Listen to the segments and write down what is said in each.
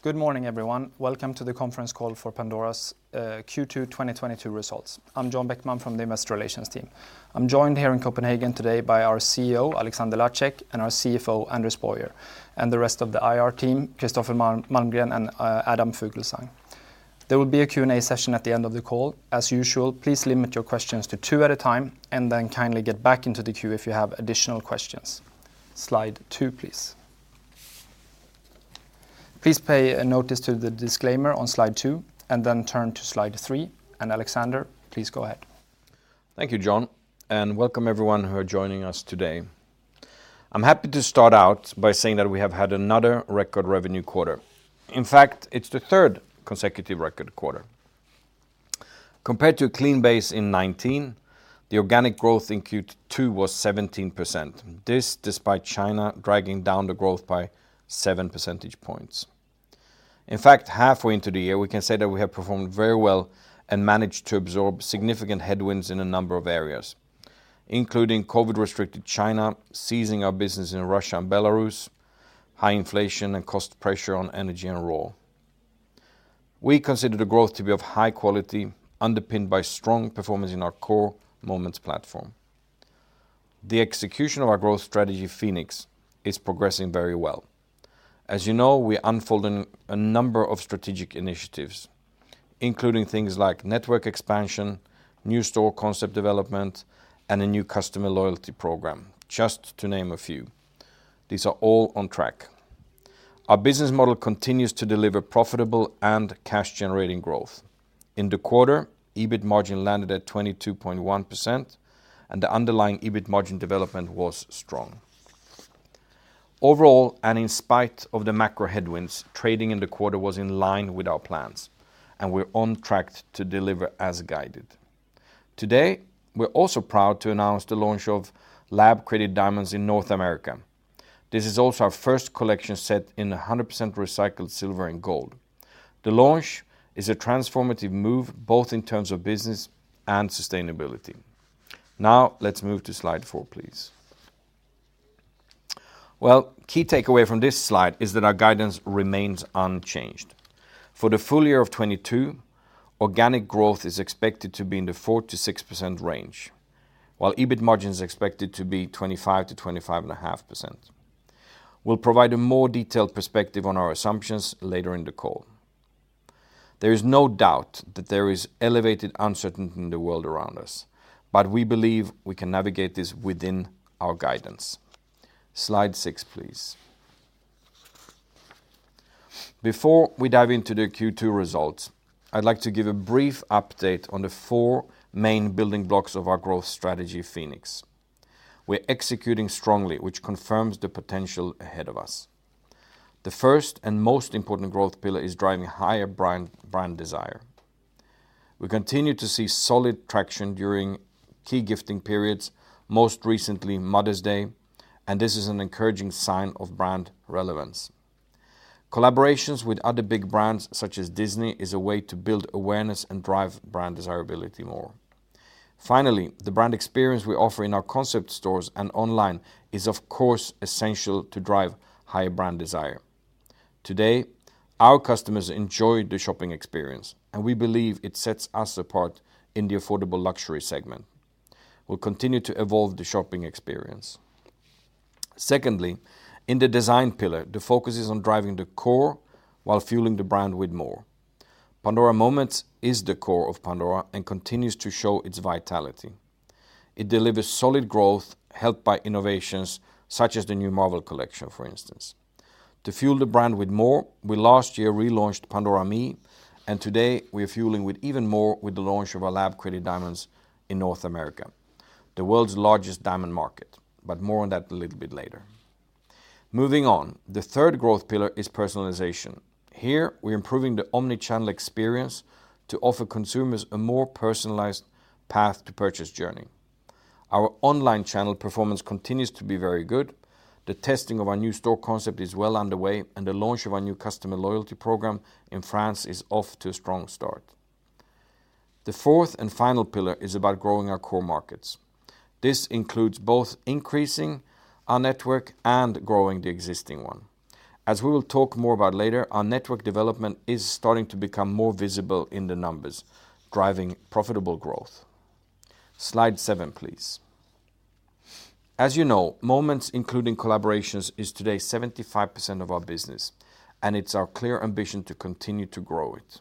Good morning, everyone. Welcome to the conference call for Pandora's Q2 2022 results. I'm John Bäckström from the investor relations team. I'm joined here in Copenhagen today by our CEO, Alexander Lacik, and our CFO, Anders Boyer, and the rest of the IR team, Kristian Godiksen and Adam Fuglsang. There will be a Q&A session at the end of the call. As usual, please limit your questions to two at a time, and then kindly get back into the queue if you have additional questions. Slide two, please. Please pay attention to the disclaimer on slide two, and then turn to slide three. Alexander, please go ahead. Thank you, John, and welcome everyone who are joining us today. I'm happy to start out by saying that we have had another record revenue quarter. In fact, it's the third consecutive record quarter. Compared to a clean base in 2019, the organic growth in Q2 was 17%. This despite China dragging down the growth by seven percentage points. In fact, halfway into the year, we can say that we have performed very well and managed to absorb significant headwinds in a number of areas, including COVID-restricted China, ceasing our business in Russia and Belarus, high inflation and cost pressure on energy and raw. We consider the growth to be of high quality, underpinned by strong performance in our core Moments platform. The execution of our growth strategy, Phoenix, is progressing very well. As you know, we are unfolding a number of strategic initiatives, including things like network expansion, new store concept development, and a new customer loyalty program, just to name a few. These are all on track. Our business model continues to deliver profitable and cash-generating growth. In the quarter, EBIT margin landed at 22.1%, and the underlying EBIT margin development was strong. Overall, and in spite of the macro headwinds, trading in the quarter was in line with our plans, and we're on track to deliver as guided. Today, we're also proud to announce the launch of lab-created diamonds in North America. This is also our first collection set in 100% recycled silver and gold. The launch is a transformative move, both in terms of business and sustainability. Now, let's move to slide four, please. Well, key takeaway from this slide is that our guidance remains unchanged. For the full year of 2022, organic growth is expected to be in the 4%-6% range, while EBIT margin is expected to be 25%-25.5%. We'll provide a more detailed perspective on our assumptions later in the call. There is no doubt that there is elevated uncertainty in the world around us, but we believe we can navigate this within our guidance. Slide six, please. Before we dive into the Q2 results, I'd like to give a brief update on the four main building blocks of our growth strategy, Phoenix. We're executing strongly, which confirms the potential ahead of us. The first and most important growth pillar is driving higher brand desire. We continue to see solid traction during key gifting periods, most recently Mother's Day, and this is an encouraging sign of brand relevance. Collaborations with other big brands, such as Disney, is a way to build awareness and drive brand desirability more. Finally, the brand experience we offer in our concept stores and online is, of course, essential to drive higher brand desire. Today, our customers enjoy the shopping experience, and we believe it sets us apart in the affordable luxury segment. We'll continue to evolve the shopping experience. Secondly, in the design pillar, the focus is on driving the core while fueling the brand with more. Pandora Moments is the core of Pandora and continues to show its vitality. It delivers solid growth helped by innovations such as the new Marvel x Pandora, for instance. To fuel the brand with more, we last year relaunched Pandora ME, and today we are fueling with even more with the launch of our lab-created diamonds in North America, the world's largest diamond market, but more on that a little bit later. Moving on, the third growth pillar is personalization. Here, we're improving the omni-channel experience to offer consumers a more personalized path to purchase journey. Our online channel performance continues to be very good. The testing of our new store concept is well underway, and the launch of our new customer loyalty program in France is off to a strong start. The fourth and final pillar is about growing our core markets. This includes both increasing our network and growing the existing one. As we will talk more about later, our network development is starting to become more visible in the numbers, driving profitable growth. Slide seven, please. As you know, Moments including collaborations is today 75% of our business, and it's our clear ambition to continue to grow it.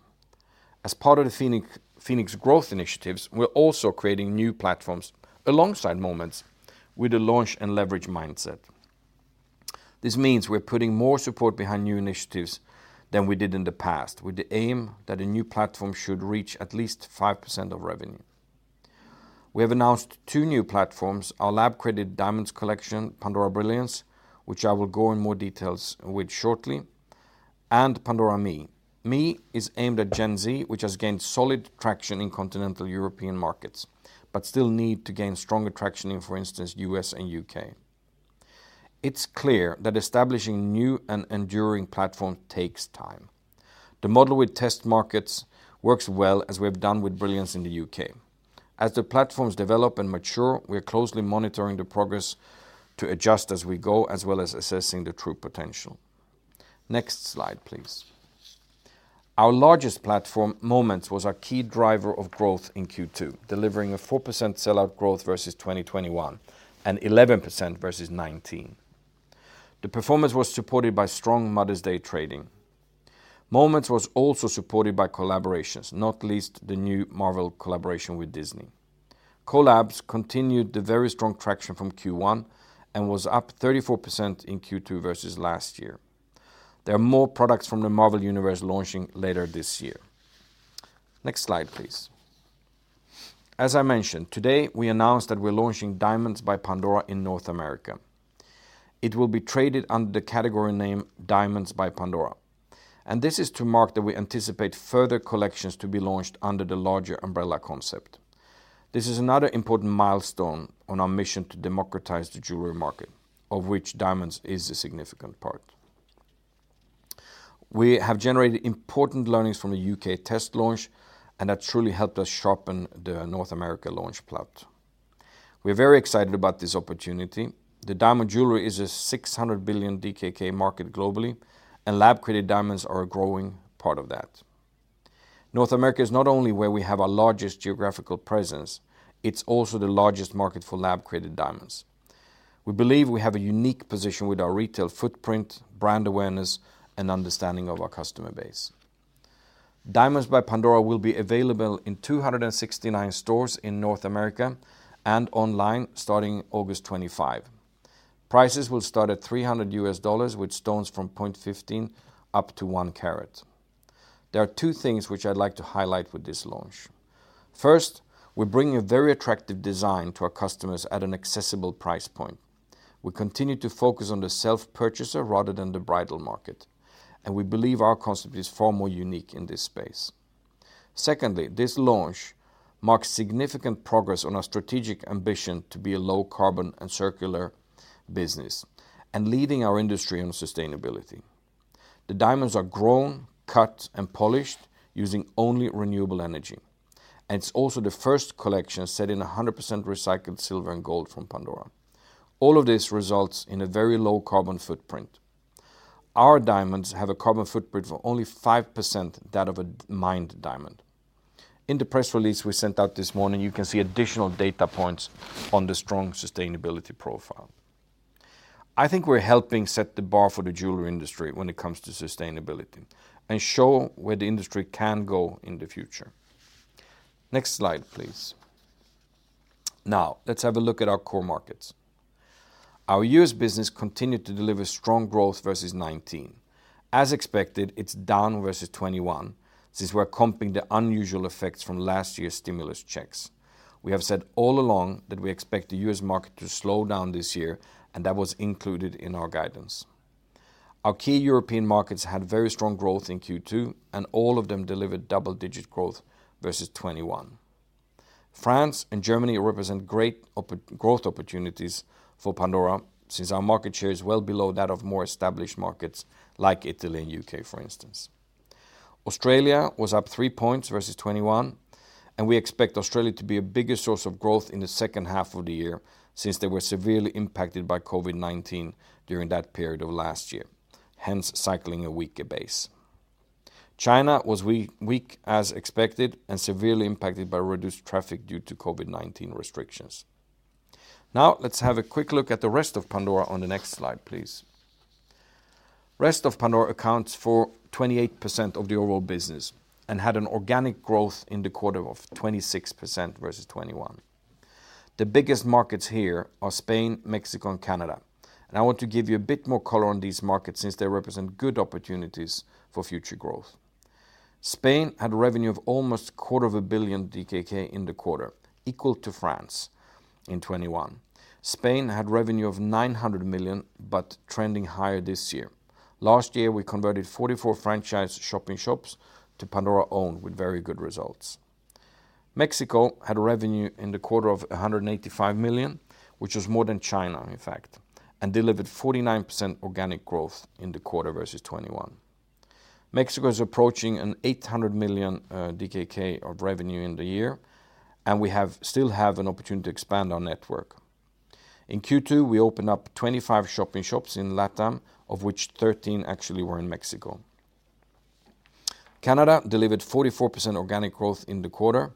As part of the Phoenix growth initiatives, we're also creating new platforms alongside Moments with a launch and leverage mindset. This means we're putting more support behind new initiatives than we did in the past, with the aim that a new platform should reach at least 5% of revenue. We have announced two new platforms, our lab-created diamonds collection, Pandora Brilliance, which I will go into more details with shortly, and Pandora ME. ME is aimed at Gen Z, which has gained solid traction in continental European markets, but still need to gain stronger traction in, for instance, U.S. and U.K. It's clear that establishing new and enduring platforms takes time. The model with test markets works well, as we have done with Brilliance in the U.K. As the platforms develop and mature, we are closely monitoring the progress to adjust as we go, as well as assessing the true potential. Next slide, please. Our largest platform, Moments, was our key driver of growth in Q2, delivering a 4% sell-out growth versus 2021, and 11% versus 2019. The performance was supported by strong Mother's Day trading. Moments was also supported by collaborations, not least the new Marvel collaboration with Disney. Collabs continued the very strong traction from Q1 and was up 34% in Q2 versus last year. There are more products from the Marvel universe launching later this year. Next slide, please. As I mentioned, today we announced that we're launching Diamonds by Pandora in North America. It will be traded under the category name Diamonds by Pandora, and this is to mark that we anticipate further collections to be launched under the larger umbrella concept. This is another important milestone on our mission to democratize the jewelry market, of which diamonds is a significant part. We have generated important learnings from the U.K. test launch, and that truly helped us sharpen the North America launch plan. We're very excited about this opportunity. The diamond jewelry is a 600 billion DKK market globally, and lab-created diamonds are a growing part of that. North America is not only where we have our largest geographical presence, it's also the largest market for lab-created diamonds. We believe we have a unique position with our retail footprint, brand awareness, and understanding of our customer base. Diamonds by Pandora will be available in 269 stores in North America and online starting August 25. Prices will start at $300, with stones from 0.15 up to one carat. There are two things which I'd like to highlight with this launch. First, we're bringing a very attractive design to our customers at an accessible price point. We continue to focus on the self-purchaser rather than the bridal market, and we believe our concept is far more unique in this space. Secondly, this launch marks significant progress on our strategic ambition to be a low carbon and circular business and leading our industry on sustainability. The diamonds are grown, cut, and polished using only renewable energy. It's also the first collection set in 100% recycled silver and gold from Pandora. All of this results in a very low carbon footprint. Our diamonds have a carbon footprint of only 5% that of a mined diamond. In the press release we sent out this morning, you can see additional data points on the strong sustainability profile. I think we're helping set the bar for the jewelry industry when it comes to sustainability and show where the industry can go in the future. Next slide, please. Now let's have a look at our core markets. Our U.S. business continued to deliver strong growth versus 2019. As expected, it's down versus 2021 since we're comping the unusual effects from last year's stimulus checks. We have said all along that we expect the U.S. market to slow down this year, and that was included in our guidance. Our key European markets had very strong growth in Q2, and all of them delivered double-digit growth versus 2021. France and Germany represent great oppor... Growth opportunities for Pandora since our market share is well below that of more established markets like Italy and U.K., for instance. Australia was up three points versus 21, and we expect Australia to be a bigger source of growth in the second half of the year since they were severely impacted by COVID-19 during that period of last year, hence cycling a weaker base. China was weak as expected and severely impacted by reduced traffic due to COVID-19 restrictions. Now let's have a quick look at the rest of Pandora on the next slide, please. Rest of Pandora accounts for 28% of the overall business and had an organic growth in the quarter of 26% versus 21. The biggest markets here are Spain, Mexico, and Canada. I want to give you a bit more color on these markets since they represent good opportunities for future growth. Spain had revenue of almost quarter of a billion DKK in the quarter, equal to France in 2021. Spain had revenue of 900 million, but trending higher this year. Last year, we converted 44 franchise shop-in-shops to Pandora-owned with very good results. Mexico had revenue in the quarter of 185 million, which was more than China, in fact, and delivered 49% organic growth in the quarter versus 2021. Mexico is approaching 800 million DKK of revenue in the year, and we still have an opportunity to expand our network. In Q2, we opened up 25 shop-in-shops in LATAM, of which 13 actually were in Mexico. Canada delivered 44% organic growth in the quarter.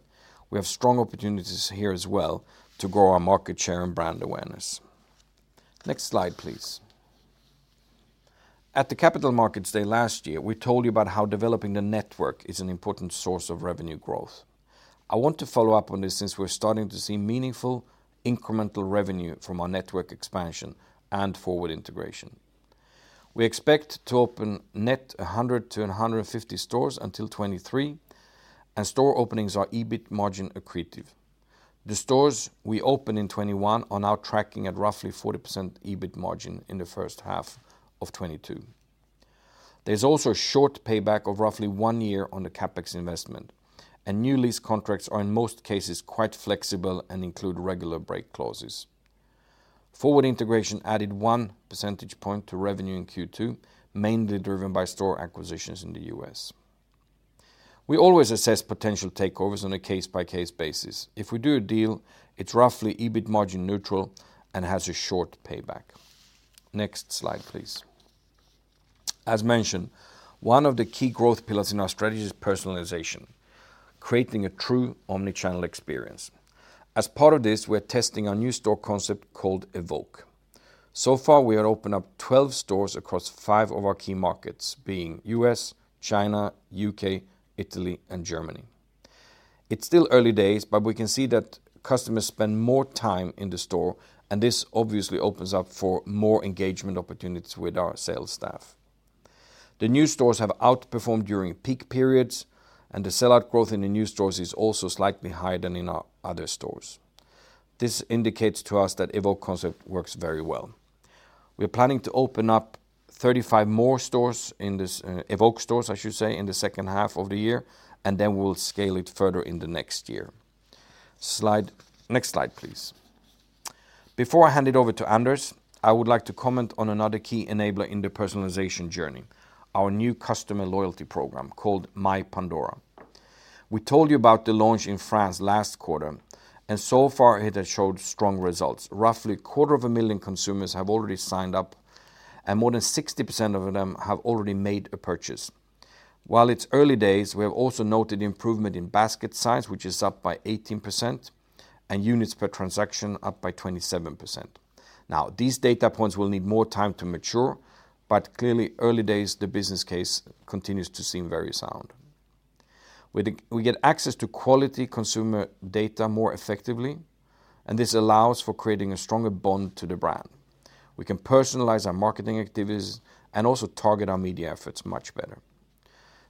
We have strong opportunities here as well to grow our market share and brand awareness. Next slide, please. At the Capital Markets Day last year, we told you about how developing the network is an important source of revenue growth. I want to follow up on this since we're starting to see meaningful incremental revenue from our network expansion and forward integration. We expect to open net 100-150 stores until 2023, and store openings are EBIT margin accretive. The stores we opened in 2021 are now tracking at roughly 40% EBIT margin in the first half of 2022. There's also a short payback of roughly one year on the CapEx investment, and new lease contracts are in most cases quite flexible and include regular break clauses. Forward integration added 1 percentage point to revenue in Q2, mainly driven by store acquisitions in the U.S. We always assess potential takeovers on a case-by-case basis. If we do a deal, it's roughly EBIT margin neutral and has a short payback. Next slide, please. As mentioned, one of the key growth pillars in our strategy is personalization, creating a true omni-channel experience. As part of this, we're testing a new store concept called Evoke. So far, we have opened up 12 stores across five of our key markets, being U.S., China, U.K., Italy, and Germany. It's still early days, but we can see that customers spend more time in the store, and this obviously opens up for more engagement opportunities with our sales staff. The new stores have outperformed during peak periods, and the sell-out growth in the new stores is also slightly higher than in our other stores. This indicates to us that Evoke concept works very well. We're planning to open up 35 more stores in this, Evoke stores, I should say, in the second half of the year, and then we'll scale it further in the next year. Next slide, please. Before I hand it over to Anders, I would like to comment on another key enabler in the personalization journey, our new customer loyalty program called My Pandora. We told you about the launch in France last quarter, and so far it has showed strong results. Roughly a quarter of a million consumers have already signed up, and more than 60% of them have already made a purchase. While it's early days, we have also noted improvement in basket size, which is up by 18%, and units per transaction up by 27%. Now, these data points will need more time to mature, but clearly early days, the business case continues to seem very sound. We get access to quality consumer data more effectively, and this allows for creating a stronger bond to the brand. We can personalize our marketing activities and also target our media efforts much better.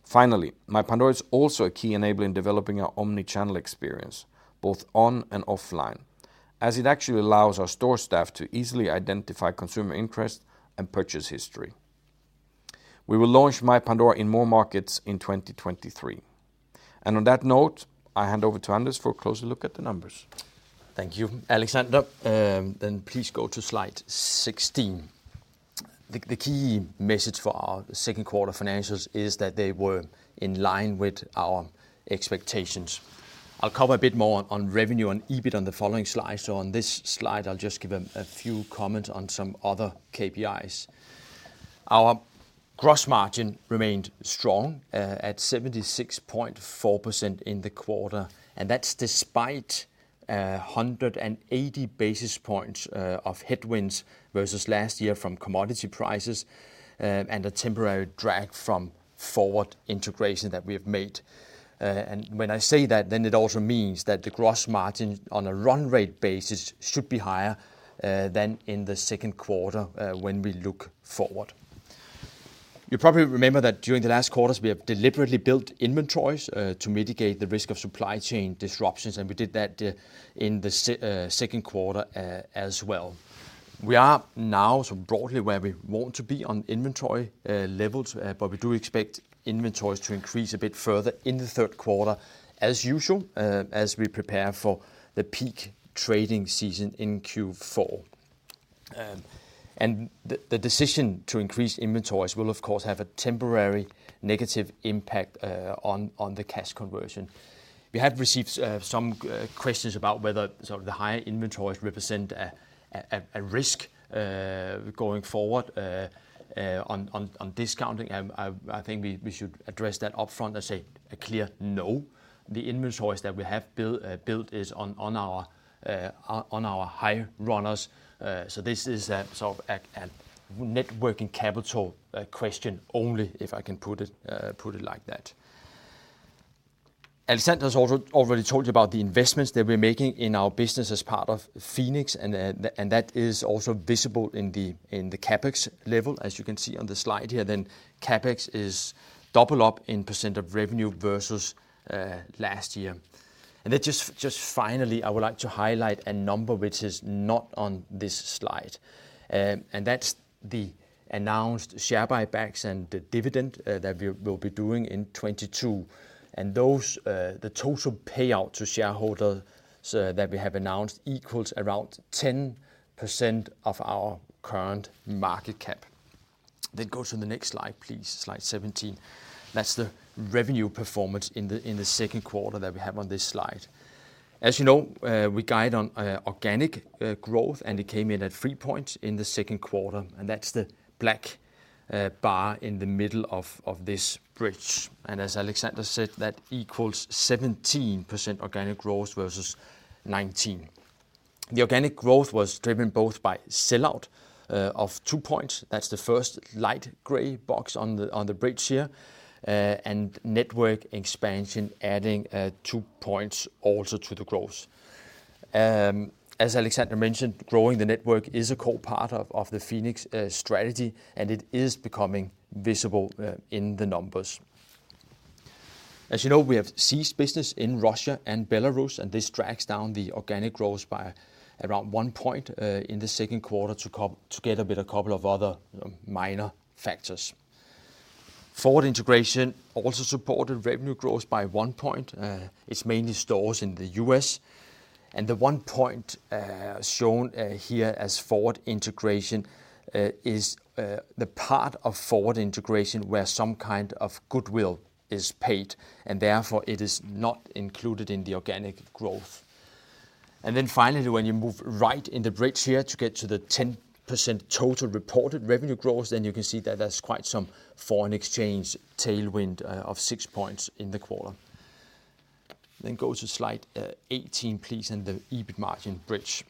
Finally, My Pandora is also a key enabler in developing our omni-channel experience, both on and offline, as it actually allows our store staff to easily identify consumer interest and purchase history. We will launch My Pandora in more markets in 2023. On that note, I hand over to Anders for a closer look at the numbers. Thank you, Alexander. Please go to slide 16. The key message for our second quarter financials is that they were in line with our expectations. I'll cover a bit more on revenue and EBIT on the following slide. On this slide, I'll just give a few comments on some other KPIs. Our gross margin remained strong at 76.4% in the quarter, and that's despite 180 basis points of headwinds versus last year from commodity prices and a temporary drag from forward integration that we have made. When I say that, it also means that the gross margin on a run rate basis should be higher than in the second quarter when we look forward. You probably remember that during the last quarters, we have deliberately built inventories to mitigate the risk of supply chain disruptions, and we did that in the second quarter as well. We are now sort of broadly where we want to be on inventory levels, but we do expect inventories to increase a bit further in the third quarter as usual as we prepare for the peak trading season in Q4. The decision to increase inventories will of course have a temporary negative impact on the cash conversion. We have received some questions about whether sort of the higher inventories represent a risk going forward on discounting. I think we should address that upfront and say a clear no. The inventories that we have built is on our high runners. This is a sort of a working capital question only if I can put it like that. Alexander's already told you about the investments that we're making in our business as part of Phoenix and that is also visible in the CapEx level. As you can see on the slide here, CapEx is doubled in percent of revenue versus last year. Just finally, I would like to highlight a number which is not on this slide, and that's the announced share buybacks and the dividend that we will be doing in 2022. The total payout to shareholders that we have announced equals around 10% of our current market cap. Go to the next slide, please. Slide 17. That's the revenue performance in the second quarter that we have on this slide. As you know, we guide on organic growth, and it came in at three points in the second quarter, and that's the black bar in the middle of this bridge. As Alexander said, that equals 17% organic growth versus 2019. The organic growth was driven both by sell-out of two points. That's the first light gray box on the bridge here. Network expansion adding two points also to the growth. As Alexander mentioned, growing the network is a core part of the Phoenix strategy, and it is becoming visible in the numbers. As you know, we have ceased business in Russia and Belarus, and this drags down the organic growth by around 1% in the second quarter together with a couple of other minor factors. Forward integration also supported revenue growth by 1%. It's mainly stores in the U.S., and the 1%, shown here as forward integration, is the part of forward integration where some kind of goodwill is paid, and therefore it is not included in the organic growth. Finally, when you move right in the bridge here to get to the 10% total reported revenue growth, you can see that there's quite some foreign exchange tailwind of six points in the quarter. Go to slide 18 please, and the EBIT margin bridge.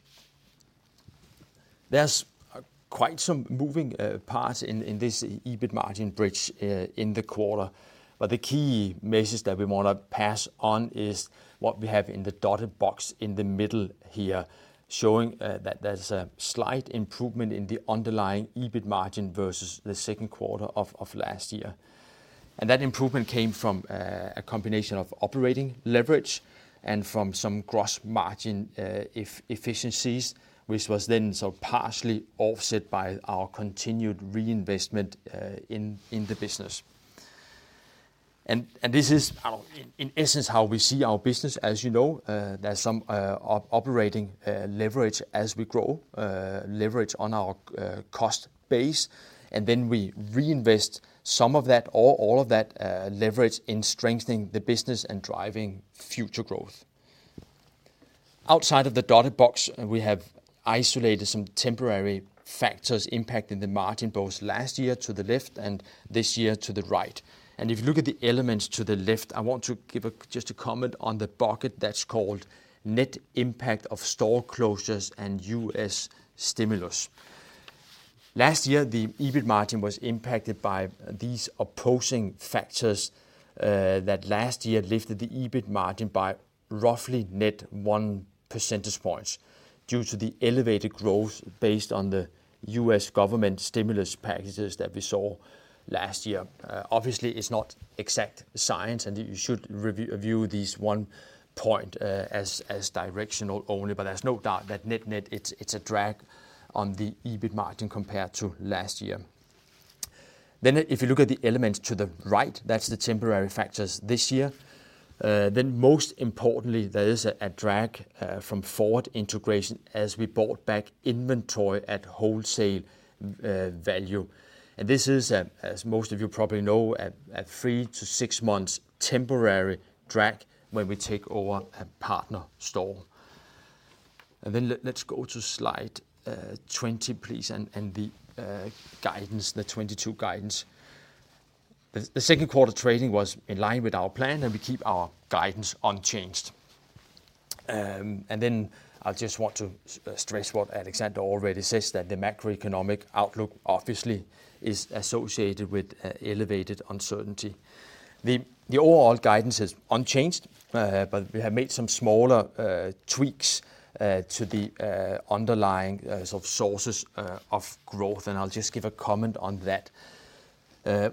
There's quite some moving parts in this EBIT margin bridge in the quarter, but the key message that we want to pass on is what we have in the dotted box in the middle here, showing that there's a slight improvement in the underlying EBIT margin versus the second quarter of last year. That improvement came from a combination of operating leverage and from some gross margin efficiencies, which was then sort of partially offset by our continued reinvestment in the business. This is, in essence, how we see our business. As you know, there's some operating leverage as we grow, leverage on our cost base, and then we reinvest some of that or all of that leverage in strengthening the business and driving future growth. Outside of the dotted box, we have isolated some temporary factors impacting the margin, both last year to the left and this year to the right. If you look at the elements to the left, I want to give just a comment on the bucket that's called Net Impact of Store Closures and U.S. Stimulus. Last year, the EBIT margin was impacted by these opposing factors that last year lifted the EBIT margin by roughly net one percentage points due to the elevated growth based on the U.S. government stimulus packages that we saw last year. Obviously, it's not exact science, and you should review this one point as directional only, but there's no doubt that net-net it's a drag on the EBIT margin compared to last year. If you look at the elements to the right, that's the temporary factors this year. Most importantly, there is a drag from forward integration as we bought back inventory at wholesale value. This is, as most of you probably know, a three-six months temporary drag when we take over a partner store. Let's go to slide 20 please, and the guidance, the 2022 guidance. The second quarter trading was in line with our plan, and we keep our guidance unchanged. I just want to stress what Alexander Lacik already says, that the macroeconomic outlook obviously is associated with elevated uncertainty. The overall guidance is unchanged, but we have made some smaller tweaks to the underlying sort of sources of growth, and I'll just give a comment on that.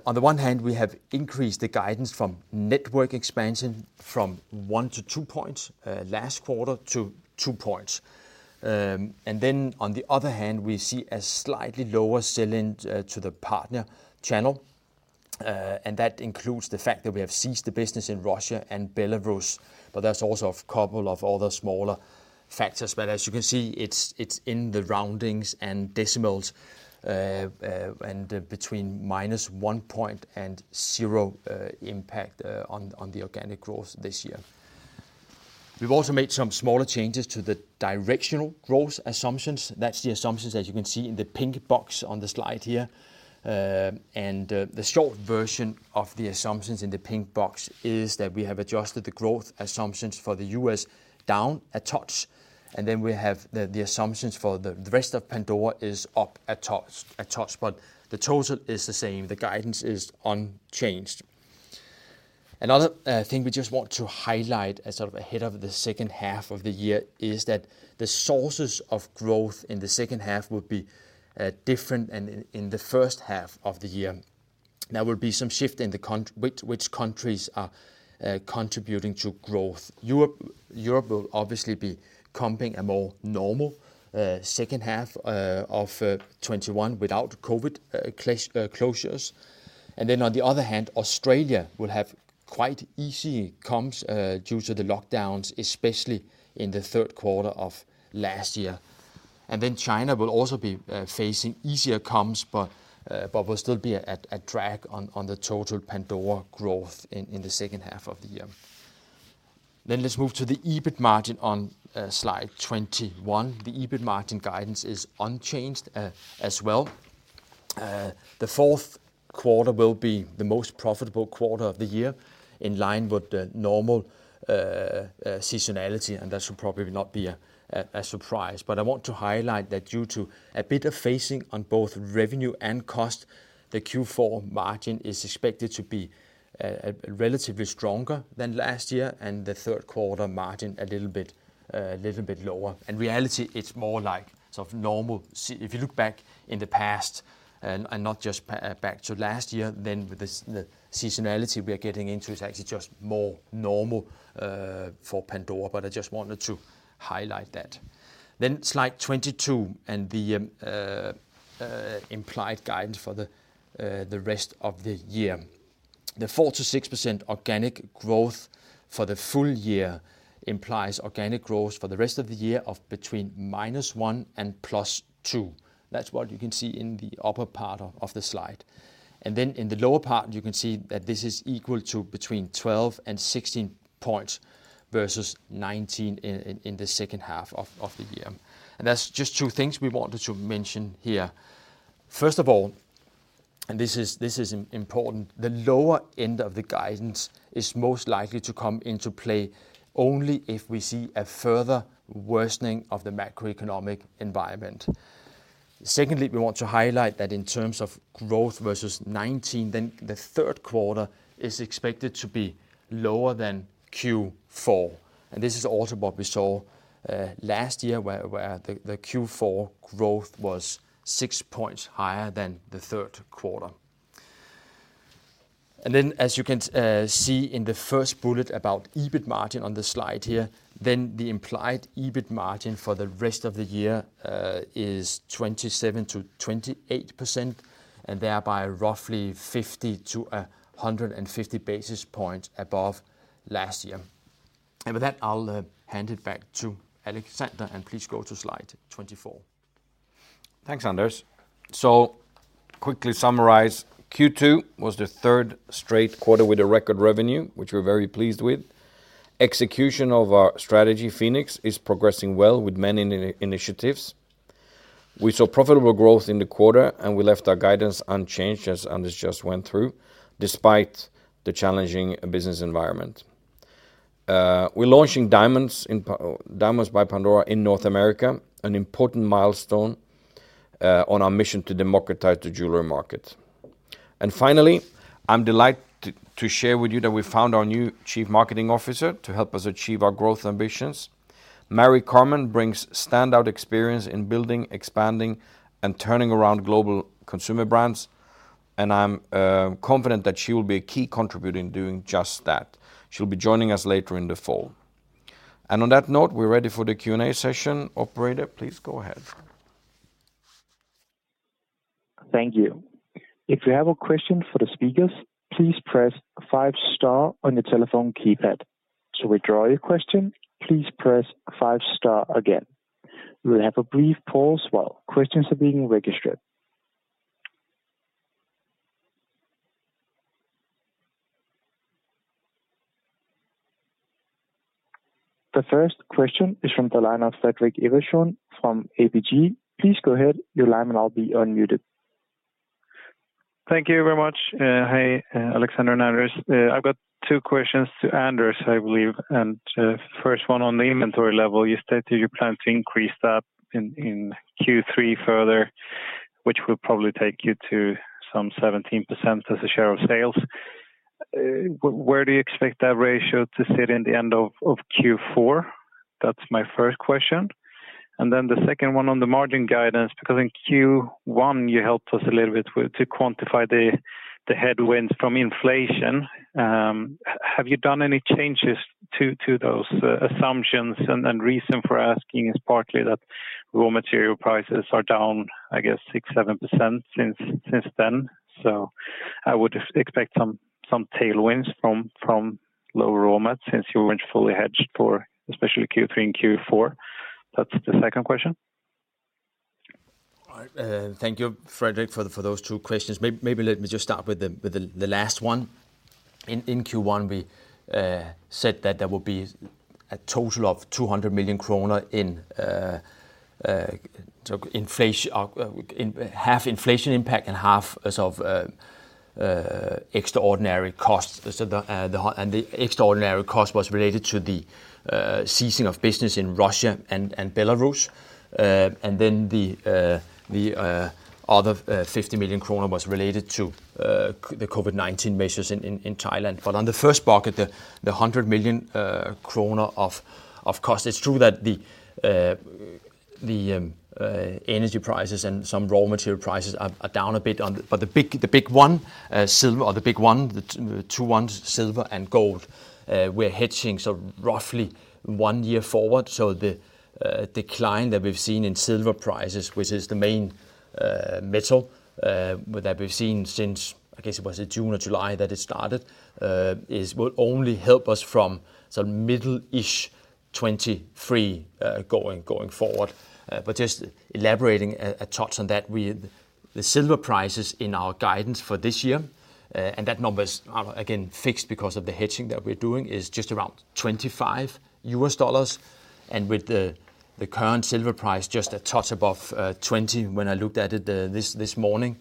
On the one hand, we have increased the guidance from network expansion from one to two points last quarter to two points. On the other hand, we see a slightly lower sell-in to the partner channel, and that includes the fact that we have ceased the business in Russia and Belarus, but there's also a couple of other smaller factors. As you can see, it's in the roundings and decimals, and between -1% and 0% impact on the organic growth this year. We've also made some smaller changes to the directional growth assumptions. That's the assumptions, as you can see, in the pink box on the slide here. The short version of the assumptions in the pink box is that we have adjusted the growth assumptions for the U.S. down a touch, and then we have the assumptions for the rest of Pandora up a touch. The total is the same. The guidance is unchanged. Another thing we just want to highlight as sort of ahead of the second half of the year is that the sources of growth in the second half will be different than in the first half of the year. There will be some shift in which countries are contributing to growth. Europe will obviously be comping a more normal second half of 2021 without COVID closures. Then on the other hand, Australia will have quite easy comps due to the lockdowns, especially in the third quarter of last year. Then China will also be facing easier comps but will still be a drag on the total Pandora growth in the second half of the year. Let's move to the EBIT margin on slide 21. The EBIT margin guidance is unchanged, as well. The fourth quarter will be the most profitable quarter of the year in line with the normal seasonality, and that should probably not be a surprise. I want to highlight that due to a bit of phasing on both revenue and cost, the Q4 margin is expected to be relatively stronger than last year and the third quarter margin a little bit lower. In reality, it's more like sort of normal. If you look back in the past and not just back to last year, then the seasonality we are getting into is actually just more normal for Pandora. I just wanted to highlight that. Slide 22 and the implied guidance for the rest of the year. The 4%-6% organic growth for the full year implies organic growth for the rest of the year of between -1% and +2%. That's what you can see in the upper part of the slide. In the lower part you can see that this is equal to between 12 and 16 points, versus 19 in the second half of the year. That's just two things we wanted to mention here. First of all, this is important, the lower end of the guidance is most likely to come into play only if we see a further worsening of the macroeconomic environment. Secondly, we want to highlight that in terms of growth versus 2019, then the third quarter is expected to be lower than Q4, and this is also what we saw last year where the Q4 growth was six points higher than the third quarter. Then as you can see in the first bullet about EBIT margin on the slide here, then the implied EBIT margin for the rest of the year is 27%-28%, and thereby roughly 50-150 basis points above last year. With that, I'll hand it back to Alexander, and please go to slide 24. Thanks, Anders. Quickly summarize, Q2 was the third straight quarter with a record revenue, which we're very pleased with. Execution of our strategy, Phoenix, is progressing well with many initiatives. We saw profitable growth in the quarter, and we left our guidance unchanged, as Anders just went through, despite the challenging business environment. We're launching Diamonds by Pandora in North America, an important milestone, on our mission to democratize the jewelry market. Finally, I'm delighted to share with you that we found our new Chief Marketing Officer, Mary Carmen Gasco-Buisson, to help us achieve our growth ambitions. Mary Carmen Gasco-Buisson brings standout experience in building, expanding, and turning around global consumer brands, and I'm confident that she will be a key contributor in doing just that. She'll be joining us later in the fall. On that note, we're ready for the Q&A session. Operator, please go ahead. Thank you. If you have a question for the speakers, please press five star on your telephone keypad. To withdraw your question, please press five star again. We'll have a brief pause while questions are being registered. The first question is from the line of Fredrik Iversen from ABG. Please go ahead, your line will now be unmuted. Thank you very much. Hi, Alexander and Anders. I've got two questions to Anders, I believe, and first one on the inventory level, you stated you plan to increase that in Q3 further, which will probably take you to some 17% as a share of sales. Where do you expect that ratio to sit in the end of Q4? That's my first question. Then the second one on the margin guidance, because in Q1 you helped us a little bit with to quantify the headwinds from inflation. Have you done any changes to those assumptions? Reason for asking is partly that raw material prices are down, I guess, 6-7% since then. I would expect some tailwinds from lower raw mats since you weren't fully hedged for especially Q3 and Q4. That's the second question. All right. Thank you, Fredrik, for those two questions. Maybe let me just start with the last one. In Q1, we said that there will be a total of 200 million kroner in half inflation impact and half sort of extraordinary costs. The half and the extraordinary cost was related to the ceasing of business in Russia and Belarus. Then the other 50 million kroner was related to the COVID-19 measures in Thailand. On the first bucket, the 100 million kroner of cost, it's true that the energy prices and some raw material prices are down a bit on. The big one silver or the big ones silver and gold we're hedging so roughly one year forward. The decline that we've seen in silver prices which is the main metal that we've seen since I guess was it June or July that it started will only help us from some middle-ish 2023 going forward. Just elaborating a touch on that the silver prices in our guidance for this year and that number is again fixed because of the hedging that we're doing is just around $25. With the current silver price just a touch above 20 when I looked at it this morning,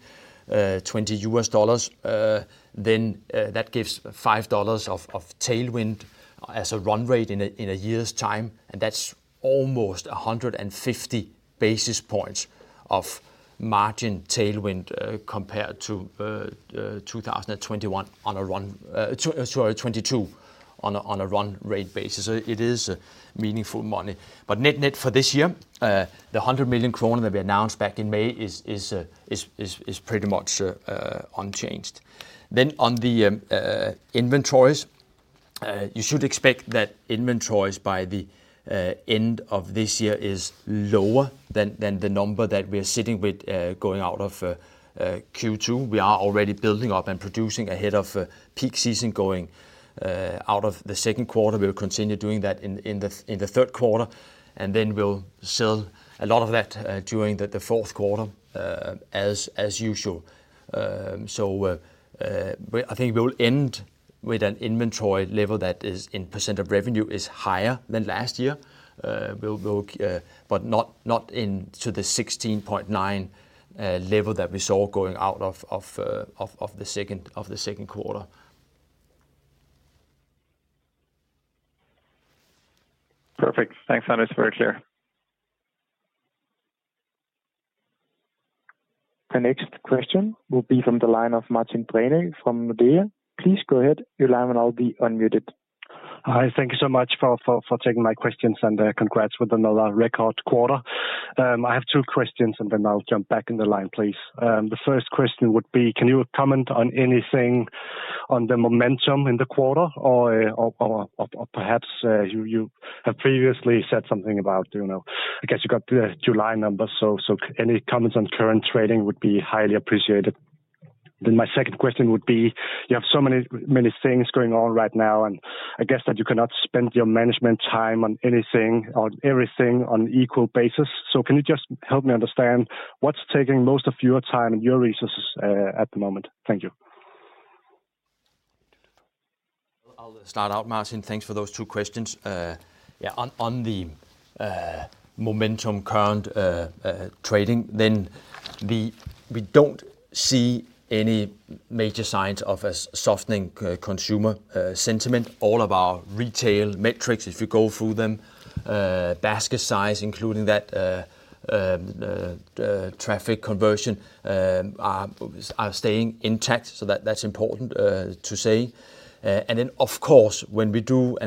$20, then that gives $5 of tailwind as a run rate in a year's time, and that's almost 150 basis points of margin tailwind compared to 2022 on a run rate basis. It is meaningful money. Net-net for this year, the 100 million kroner that we announced back in May is pretty much unchanged. On the inventories, you should expect that inventories by the end of this year is lower than the number that we're sitting with going out of Q2. We are already building up and producing ahead of peak season going out of the second quarter. We'll continue doing that in the third quarter, and then we'll sell a lot of that during the fourth quarter, as usual. I think we'll end with an inventory level that is, in percent of revenue, higher than last year, but not into the 16.9% level that we saw going out of the second quarter. Perfect. Thanks, Anders. Very clear. The next question will be from the line of Martin Brenøe from Nordea. Please go ahead. Your line will now be unmuted. Hi. Thank you so much for taking my questions, and congrats with another record quarter. I have two questions, and then I'll jump back in the line, please. The first question would be, can you comment on anything on the momentum in the quarter or perhaps you have previously said something about, you know, I guess you got the July numbers, so any comments on current trading would be highly appreciated. My second question would be, you have so many things going on right now, and I guess that you cannot spend your management time on anything or everything on equal basis. Can you just help me understand what's taking most of your time and your resources at the moment? Thank you. I'll start out, Martin. Thanks for those two questions. Yeah, on the current momentum in trading, we don't see any major signs of a softening consumer sentiment. All of our retail metrics, if you go through them, basket size, traffic conversion, are staying intact. That's important to say. Of course, when we do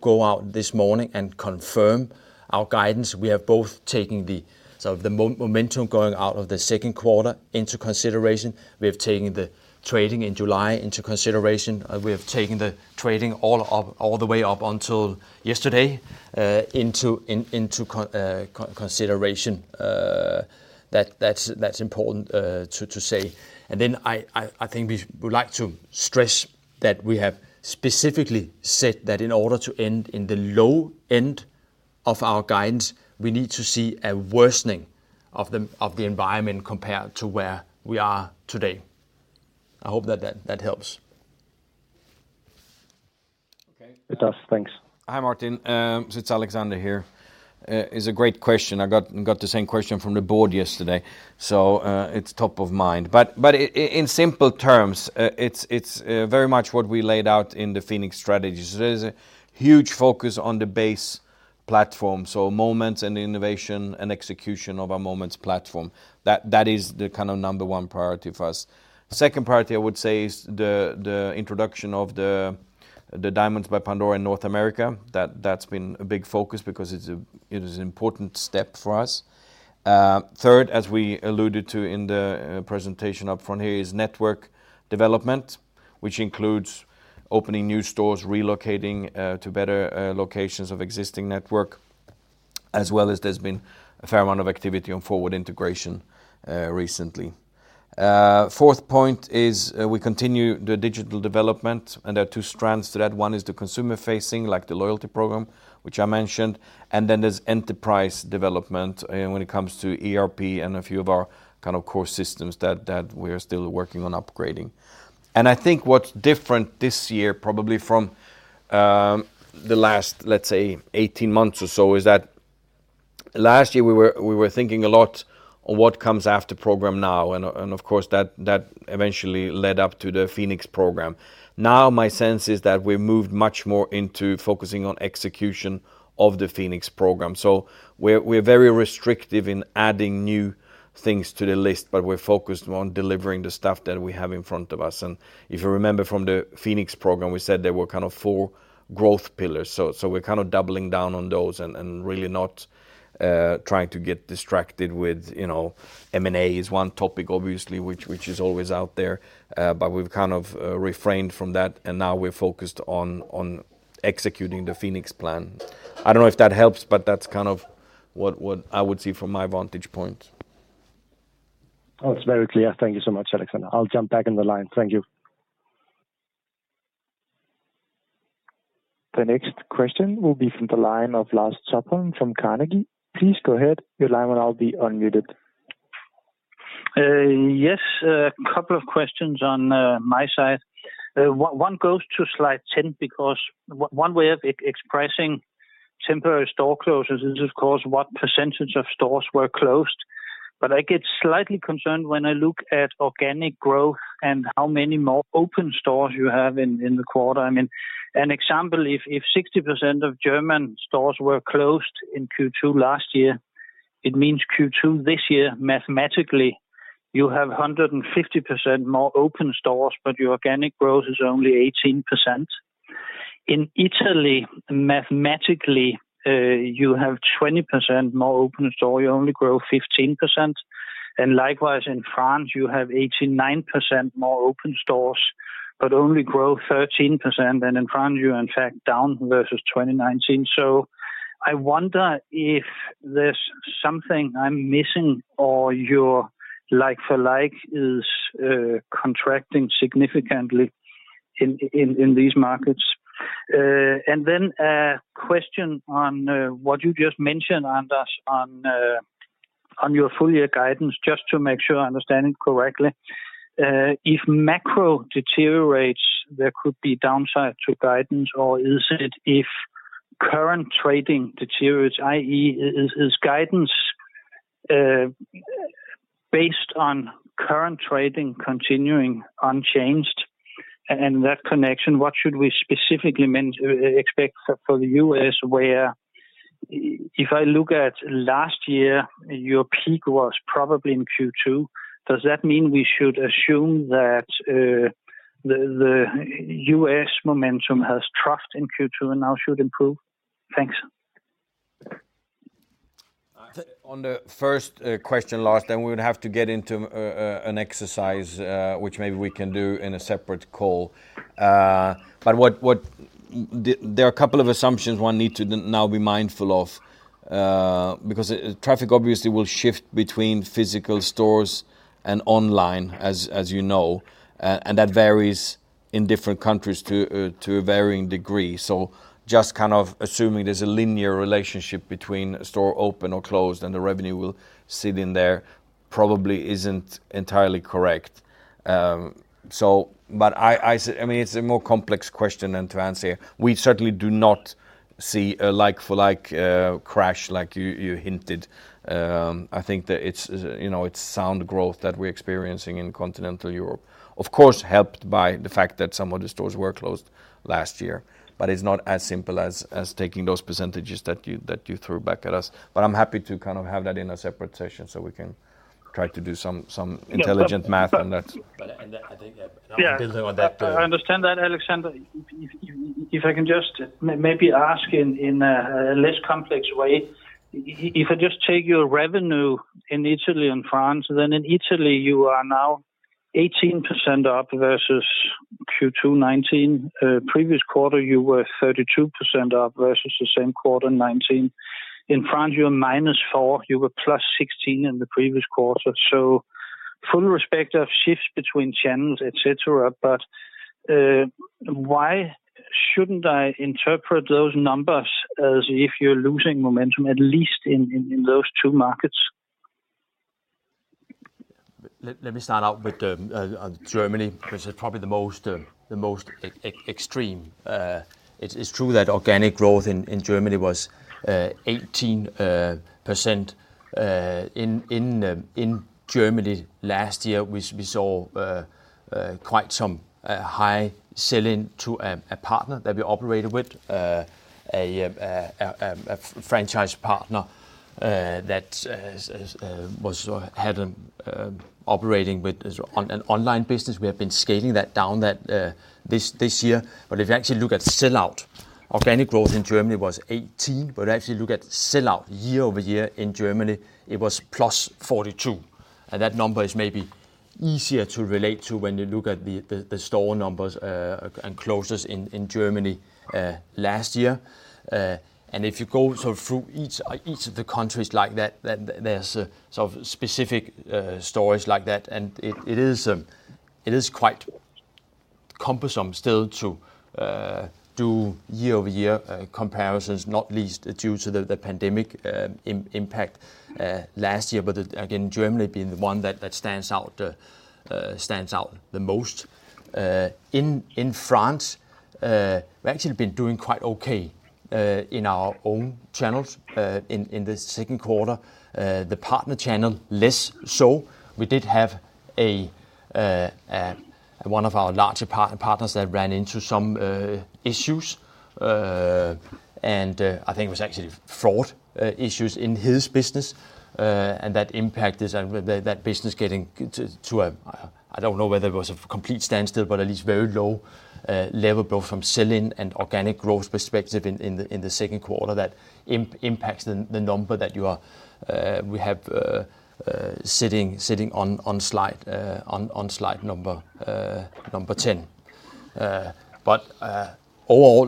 go out this morning and confirm our guidance, we are both taking sort of the momentum going out of the second quarter into consideration. We have taken the trading in July into consideration. We have taken the trading all the way up until yesterday into consideration. That's important to say. I think we would like to stress that we have specifically said that in order to end in the low end of our guidance, we need to see a worsening of the environment compared to where we are today. I hope that helps. Okay. It does. Thanks. Hi, Martin. It's Alexander here. It's a great question. I got the same question from the board yesterday, so it's top of mind. In simple terms, it's very much what we laid out in the Phoenix strategies. There is a huge focus on the base platform, so Moments and innovation and execution of our Moments platform. That is the number one priority for us. The second priority, I would say, is the introduction of the Diamonds by Pandora in North America. That's been a big focus because it is an important step for us. Third, as we alluded to in the presentation up front here, is network development, which includes opening new stores, relocating to better locations of existing network, as well as there's been a fair amount of activity on forward integration recently. Fourth point is we continue the digital development, and there are two strands to that. One is the consumer facing, like the loyalty program, which I mentioned, and then there's enterprise development when it comes to ERP and a few of our kind of core systems that we are still working on upgrading. I think what's different this year probably from the last, let's say, 18 months or so, is that last year we were thinking a lot on what comes after Programme NOW and of course, that eventually led up to the Phoenix program. Now, my sense is that we moved much more into focusing on execution of the Phoenix program. We're very restrictive in adding new things to the list, but we're focused on delivering the stuff that we have in front of us. If you remember from the Phoenix program, we said there were kind of four growth pillars. We're kind of doubling down on those and really not trying to get distracted with, you know, M and A is one topic obviously, which is always out there, but we've kind of refrained from that, and now we're focused on executing the Phoenix plan. I don't know if that helps, but that's kind of what I would see from my vantage point. Oh, it's very clear. Thank you so much, Alexander. I'll jump back in the line. Thank you. The next question will be from the line of Lars Topholm from Carnegie. Please go ahead. Your line will now be unmuted. Yes, a couple of questions on my side. One goes to slide 10, because one way of expressing temporary store closures is, of course, what percentage of stores were closed. I get slightly concerned when I look at organic growth and how many more open stores you have in the quarter. I mean, an example, if 60% of German stores were closed in Q2 last year, it means Q2 this year, mathematically you have 150% more open stores, but your organic growth is only 18%. In Italy, mathematically, you have 20% more open stores, you only grow 15%. Likewise in France, you have 89% more open stores, but only grow 13%. In France you're in fact down versus 2019. I wonder if there's something I'm missing or your like-for-like is contracting significantly in these markets. Then a question on what you just mentioned, Anders, on your full year guidance, just to make sure I understand it correctly. If macro deteriorates, there could be downside to guidance or is it if current trading deteriorates, i.e., is guidance based on current trading continuing unchanged? In that connection, what should we specifically expect for the U.S. where if I look at last year, your peak was probably in Q2. Does that mean we should assume that the U.S. momentum has troughed in Q2 and now should improve? Thanks. On the first question, Lars, then we would have to get into an exercise which maybe we can do in a separate call. There are a couple of assumptions one need to now be mindful of, because traffic obviously will shift between physical stores and online, as you know, and that varies in different countries to a varying degree. Just kind of assuming there's a linear relationship between a store open or closed and the revenue will sit in there probably isn't entirely correct. I mean, it's a more complex question than to answer here. We certainly do not see a like for like crash like you hinted. I think that it's, you know, it's sound growth that we're experiencing in continental Europe. Of course, helped by the fact that some of the stores were closed last year. It's not as simple as taking those percentages that you threw back at us. I'm happy to kind of have that in a separate session, so we can try to do some intelligent math on that. I think that. Yeah. Building on that, too. I understand that, Alexander. If I can just maybe ask in a less complex way. If I just take your revenue in Italy and France, then in Italy you are now 18% up versus Q2 2019. Previous quarter you were 32% up versus the same quarter in 2019. In France, you're -4%, you were +16% in the previous quarter. Full respect of shifts between channels, et cetera, but why shouldn't I interpret those numbers as if you're losing momentum, at least in those two markets? Let me start out with Germany, which is probably the most extreme. It's true that organic growth in Germany was 18%. In Germany last year, we saw quite some high sell-in to a partner that we operated with. A franchise partner that was operating with an online business. We have been scaling that down this year. If you actually look at sell-out, organic growth in Germany was 18%. If you actually look at sell-out year-over-year in Germany, it was +42%, and that number is maybe easier to relate to when you look at the store numbers and closures in Germany last year. If you go sort of through each of the countries like that, then there's sort of specific stories like that. It is quite cumbersome still to do year-over-year comparisons, not least due to the pandemic impact last year. Germany being the one that stands out the most. In France, we've actually been doing quite okay in our own channels in the second quarter, the partner channel less so. We did have one of our larger partners that ran into some issues, and I think it was actually fraud issues in his business. That impact is that business getting to a, I don't know whether it was a complete standstill, but at least very low level both from sell-in and organic growth perspective in the second quarter that impacts the number that we have sitting on slide number 10. I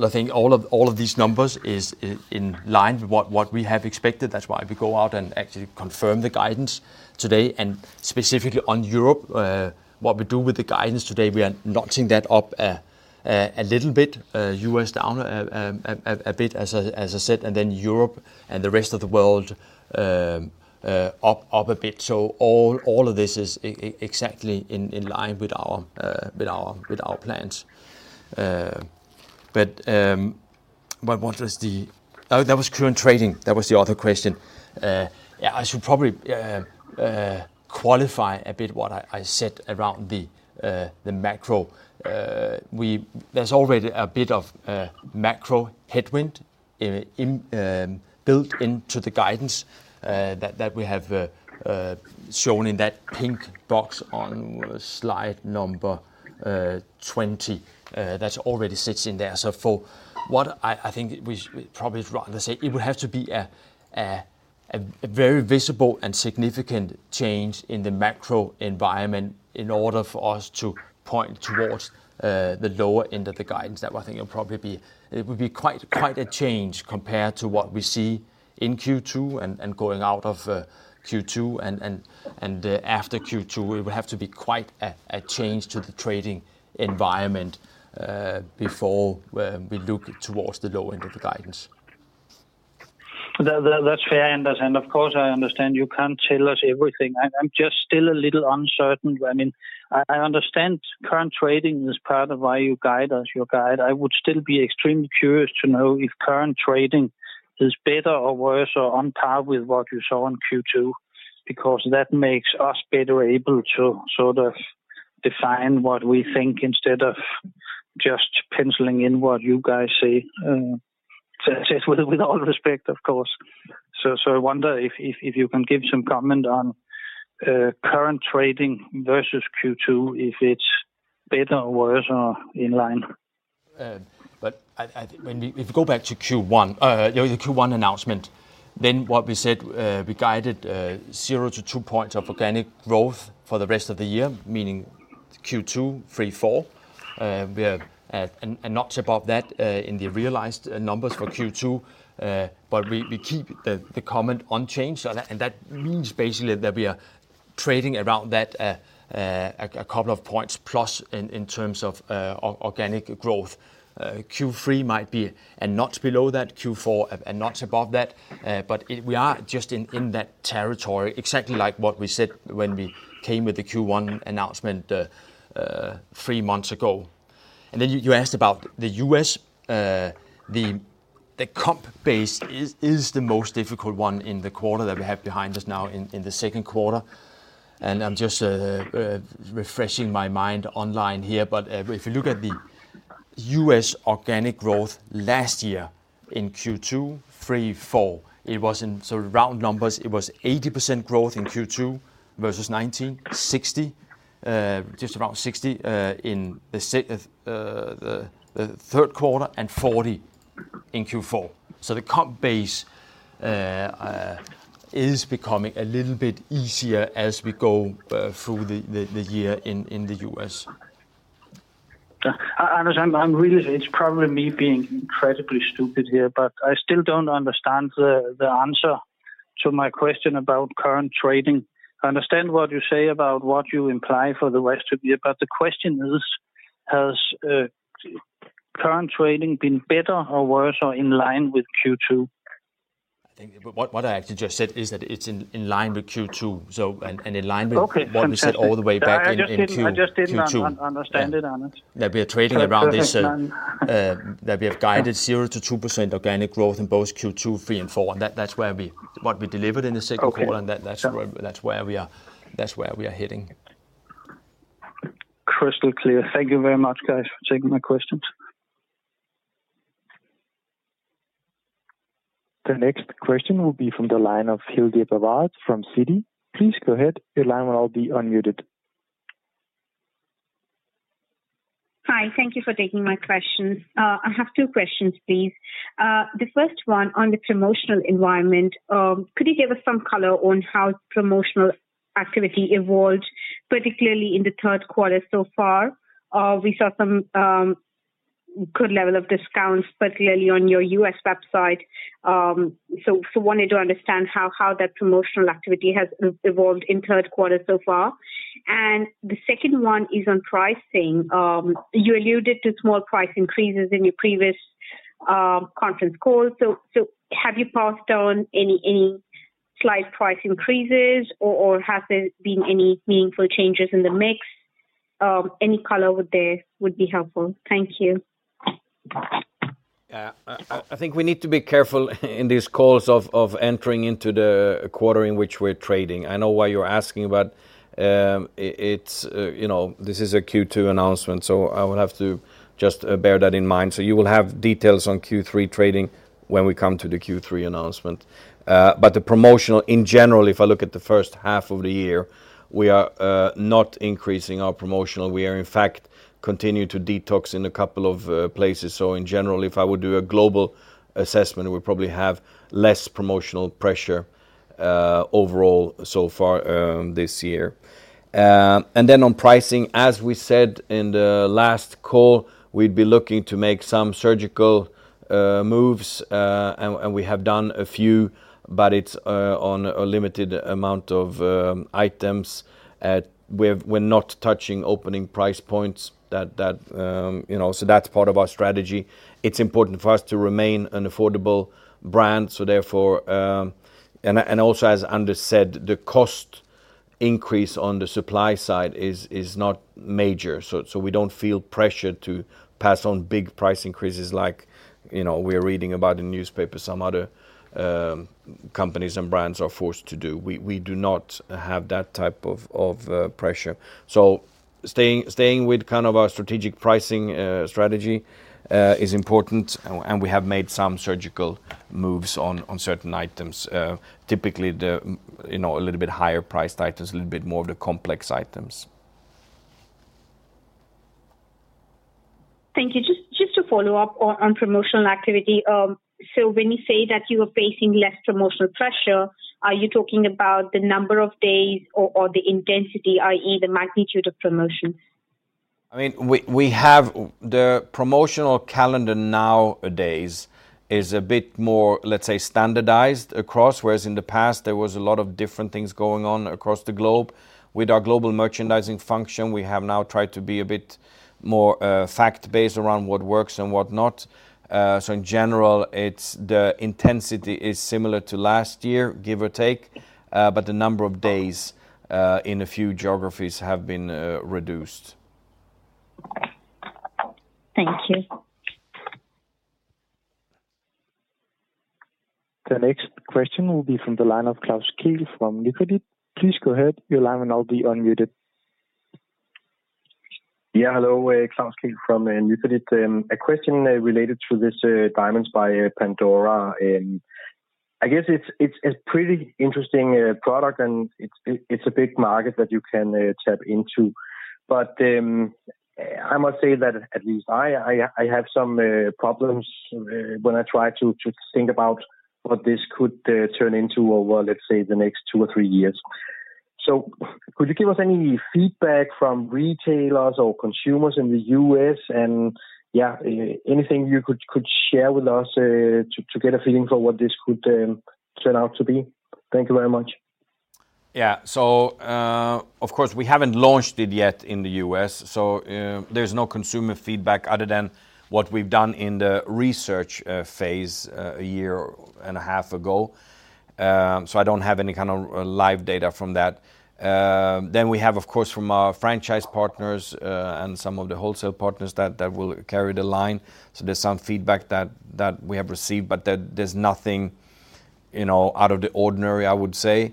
think all of these numbers is in line with what we have expected. That's why we go out and actually confirm the guidance today. Specifically on Europe, what we do with the guidance today, we are notching that up a little bit, U.S. down a bit, as I said, and then Europe and the rest of the world up a bit. All of this is exactly in line with our plans. What was that. Oh, that was current trading. That was the other question. Yeah, I should probably qualify a bit what I said around the macro. There's already a bit of macro headwind built into the guidance that we have shown in that pink box on slide number 20. That already sits in there. For what I think we probably rather say it would have to be a very visible and significant change in the macro environment in order for us to point towards the lower end of the guidance. That I think it'll probably be. It would be quite a change compared to what we see in Q2 and going out of Q2 and after Q2. It would have to be quite a change to the trading environment before we look towards the low end of the guidance. That's fair. Of course, I understand you can't tell us everything. I'm just still a little uncertain. I mean, I understand current trading is part of why you guide us, your guidance. I would still be extremely curious to know if current trading is better or worse or on par with what you saw in Q2, because that makes us better able to sort of define what we think instead of just penciling in what you guys say, with all respect, of course. I wonder if you can give some comment on current trading versus Q2, if it's better or worse or in line. If you go back to Q1, you know, the Q1 announcement, then what we said, we guided zero-two points of organic growth for the rest of the year, meaning Q2, Q3, Q4. We are a notch above that in the realized numbers for Q2. We keep the comment unchanged. That, and that means basically that we are trading around that, a couple of points plus in terms of organic growth. Q3 might be a notch below that, Q4 a notch above that. We are just in that territory, exactly like what we said when we came with the Q1 announcement three months ago. Then you asked about the U.S. The comp base is the most difficult one in the quarter that we have behind us now in the second quarter. I'm just refreshing my mind online here. If you look at the U.S. organic growth last year in Q2, Q3, Q4, it was in sort of round numbers. It was 80% growth in Q2 versus 2019. 60, just around 60% in the third quarter and 40% in Q4. The comp base is becoming a little bit easier as we go through the year in the U.S. I understand. I'm really. It's probably me being incredibly stupid here, I still don't understand the answer to my question about current trading. I understand what you say about what you imply for the rest of the year, the question is, has current trading been better or worse or in line with Q2? I think what I actually just said is that it's in line with Q2. Okay. Fantastic. What we said all the way back in Q2. I just didn't understand it, Anders. That we have guided 0%-2% organic growth in both Q2, Q3 and Q4. What we delivered in the second quarter. Okay. That's where we are heading. Crystal clear. Thank you very much, guys, for taking my questions. The next question will be from the line of Bilal Aziz from Citi. Please go ahead. Your line will now be unmuted. Hi. Thank you for taking my questions. I have two questions, please. The first one on the promotional environment. Could you give us some color on how promotional activity evolved, particularly in the third quarter so far? We saw some good level of discounts, particularly on your U.S. website. Wanted to understand how that promotional activity has evolved in third quarter so far. The second one is on pricing. You alluded to small price increases in your previous conference call. Have you passed on any slight price increases or has there been any meaningful changes in the mix? Any color there would be helpful. Thank you. Yeah. I think we need to be careful in these calls of entering into the quarter in which we're trading. I know why you're asking, but it's you know, this is a Q2 announcement, so I would have to just bear that in mind. You will have details on Q3 trading when we come to the Q3 announcement. The promotional in general, if I look at the first half of the year, we are not increasing our promotional. We are in fact continue to detox in a couple of places. In general, if I would do a global assessment, we probably have less promotional pressure overall so far this year. Then on pricing, as we said in the last call, we'd be looking to make some surgical moves. We have done a few, but it's on a limited amount of items. We're not touching opening price points. That you know, so that's part of our strategy. It's important for us to remain an affordable brand. Therefore, also as Anders said, the cost increase on the supply side is not major. We don't feel pressured to pass on big price increases like, you know, we're reading about in newspaper some other companies and brands are forced to do. We do not have that type of pressure. Staying with kind of our strategic pricing strategy is important and we have made some surgical moves on certain items. Typically, you know, a little bit higher priced items, a little bit more of the complex items. Thank you. Just to follow up on promotional activity. So when you say that you are facing less promotional pressure, are you talking about the number of days or the intensity, i.e. the magnitude of promotion? I mean, we have. The promotional calendar nowadays is a bit more, let's say, standardized across. Whereas in the past, there was a lot of different things going on across the globe. With our global merchandising function, we have now tried to be a bit more, fact-based around what works and what not. In general, it's the intensity is similar to last year, give or take, but the number of days in a few geographies have been reduced. Thank you. The next question will be from the line of Klaus Kehl from Nykredit. Please go ahead, your line will now be unmuted. Yeah. Hello. It's Klaus Kehl from Nykredit. A question related to this, Diamonds by Pandora, I guess it's a pretty interesting product and it's a big market that you can tap into. I must say that at least I have some problems when I try to think about what this could turn into over, let's say, the next two or three years. Could you give us any feedback from retailers or consumers in the U.S. and anything you could share with us to get a feeling for what this could turn out to be? Thank you very much. Yeah. Of course, we haven't launched it yet in the U.S., so there's no consumer feedback other than what we've done in the research phase a year and a half ago. I don't have any kind of live data from that. We have of course from our franchise partners and some of the wholesale partners that will carry the line. There's some feedback that we have received, but there's nothing, you know, out of the ordinary, I would say.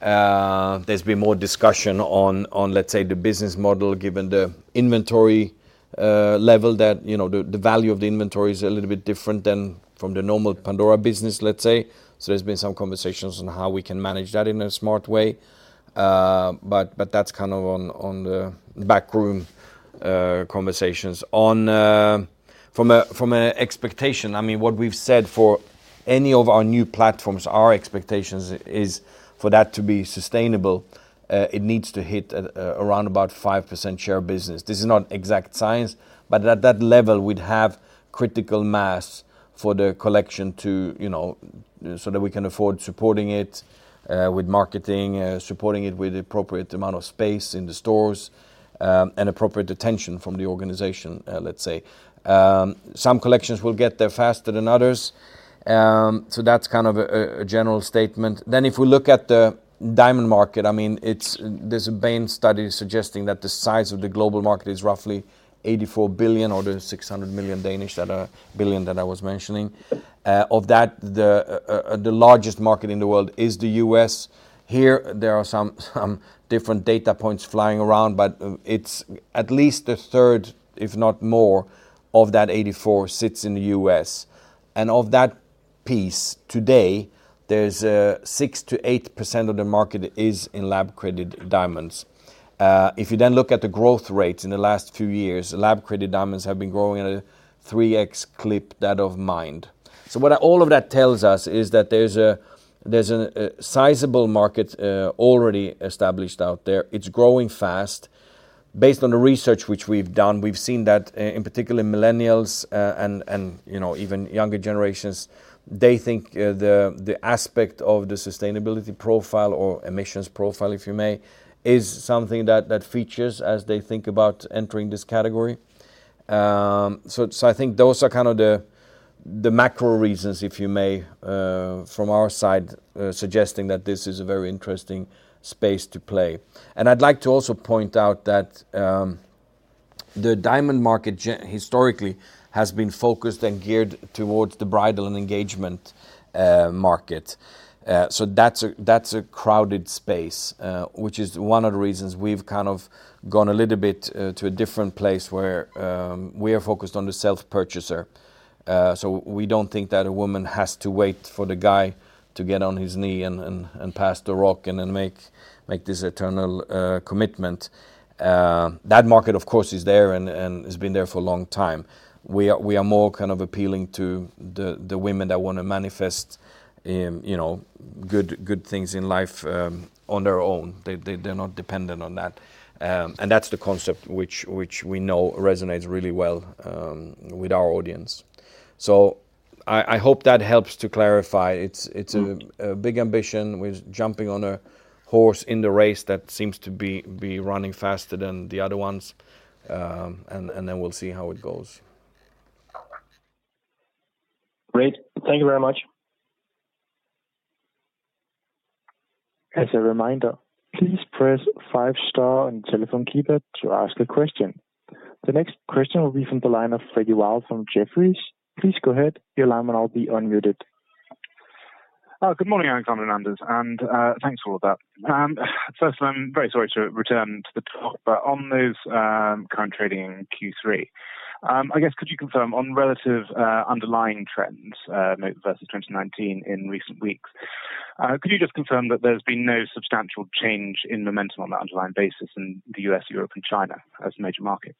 There's been more discussion on, let's say, the business model, given the inventory level that, you know, the value of the inventory is a little bit different than from the normal Pandora business, let's say. There's been some conversations on how we can manage that in a smart way. That's kind of on the back room conversations. From an expectation, I mean, what we've said for any of our new platforms, our expectations is for that to be sustainable, it needs to hit at around about 5% share of business. This is not exact science, but at that level, we'd have critical mass for the collection to, you know, so that we can afford supporting it with marketing, supporting it with the appropriate amount of space in the stores, and appropriate attention from the organization, let's say. Some collections will get there faster than others. That's kind of a general statement. If we look at the diamond market, I mean, it's a Bain study suggesting that the size of the global market is roughly 84 billion or 600 billion that I was mentioning. Of that, the largest market in the world is the U.S. Here, there are some different data points flying around, but it's at least 1/3, if not more, of that 84 sits in the U.S. Of that piece today, there's 6%-8% of the market is in lab-created diamonds. If you then look at the growth rates in the last few years, lab-created diamonds have been growing at a 3x clip that of mined. What all of that tells us is that there's a sizable market already established out there. It's growing fast. Based on the research which we've done, we've seen that in particular Millennials, and you know, even younger generations, they think the aspect of the sustainability profile or emissions profile, if you may, is something that features as they think about entering this category. So I think those are kind of the macro reasons, if you may, from our side, suggesting that this is a very interesting space to play. I'd like to also point out that the diamond market historically has been focused and geared towards the bridal and engagement market. So that's a crowded space, which is one of the reasons we've kind of gone a little bit to a different place where we are focused on the self-purchaser. We don't think that a woman has to wait for the guy to get on his knee and pass the rock and then make this eternal commitment. That market of course is there and has been there for a long time. We are more kind of appealing to the women that want to manifest you know good things in life on their own. They're not dependent on that. That's the concept which we know resonates really well with our audience. I hope that helps to clarify. It's a big ambition with jumping on a horse in the race that seems to be running faster than the other ones. Then we'll see how it goes. Great. Thank you very much. As a reminder, please press five star on telephone keypad to ask a question. The next question will be from the line of Fredrik Wild from Jefferies. Please go ahead, your line will now be unmuted. Good morning, Alexander Lacik, and thanks for all that. First I'm very sorry to return to the top, but on those current trading in Q3, I guess could you confirm on relatively underlying trends, maybe versus 2019 in recent weeks. Could you just confirm that there's been no substantial change in momentum on that underlying basis in the U.S., Europe and China as major markets?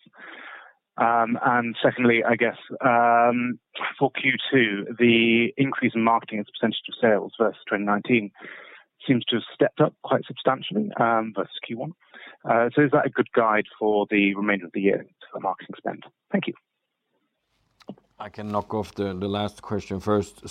Secondly, I guess, for Q2, the increase in marketing as a % of sales versus 2019 seems to have stepped up quite substantially versus Q1. Is that a good guide for the remainder of the year to the marketing spend? Thank you. I can knock off the last question first.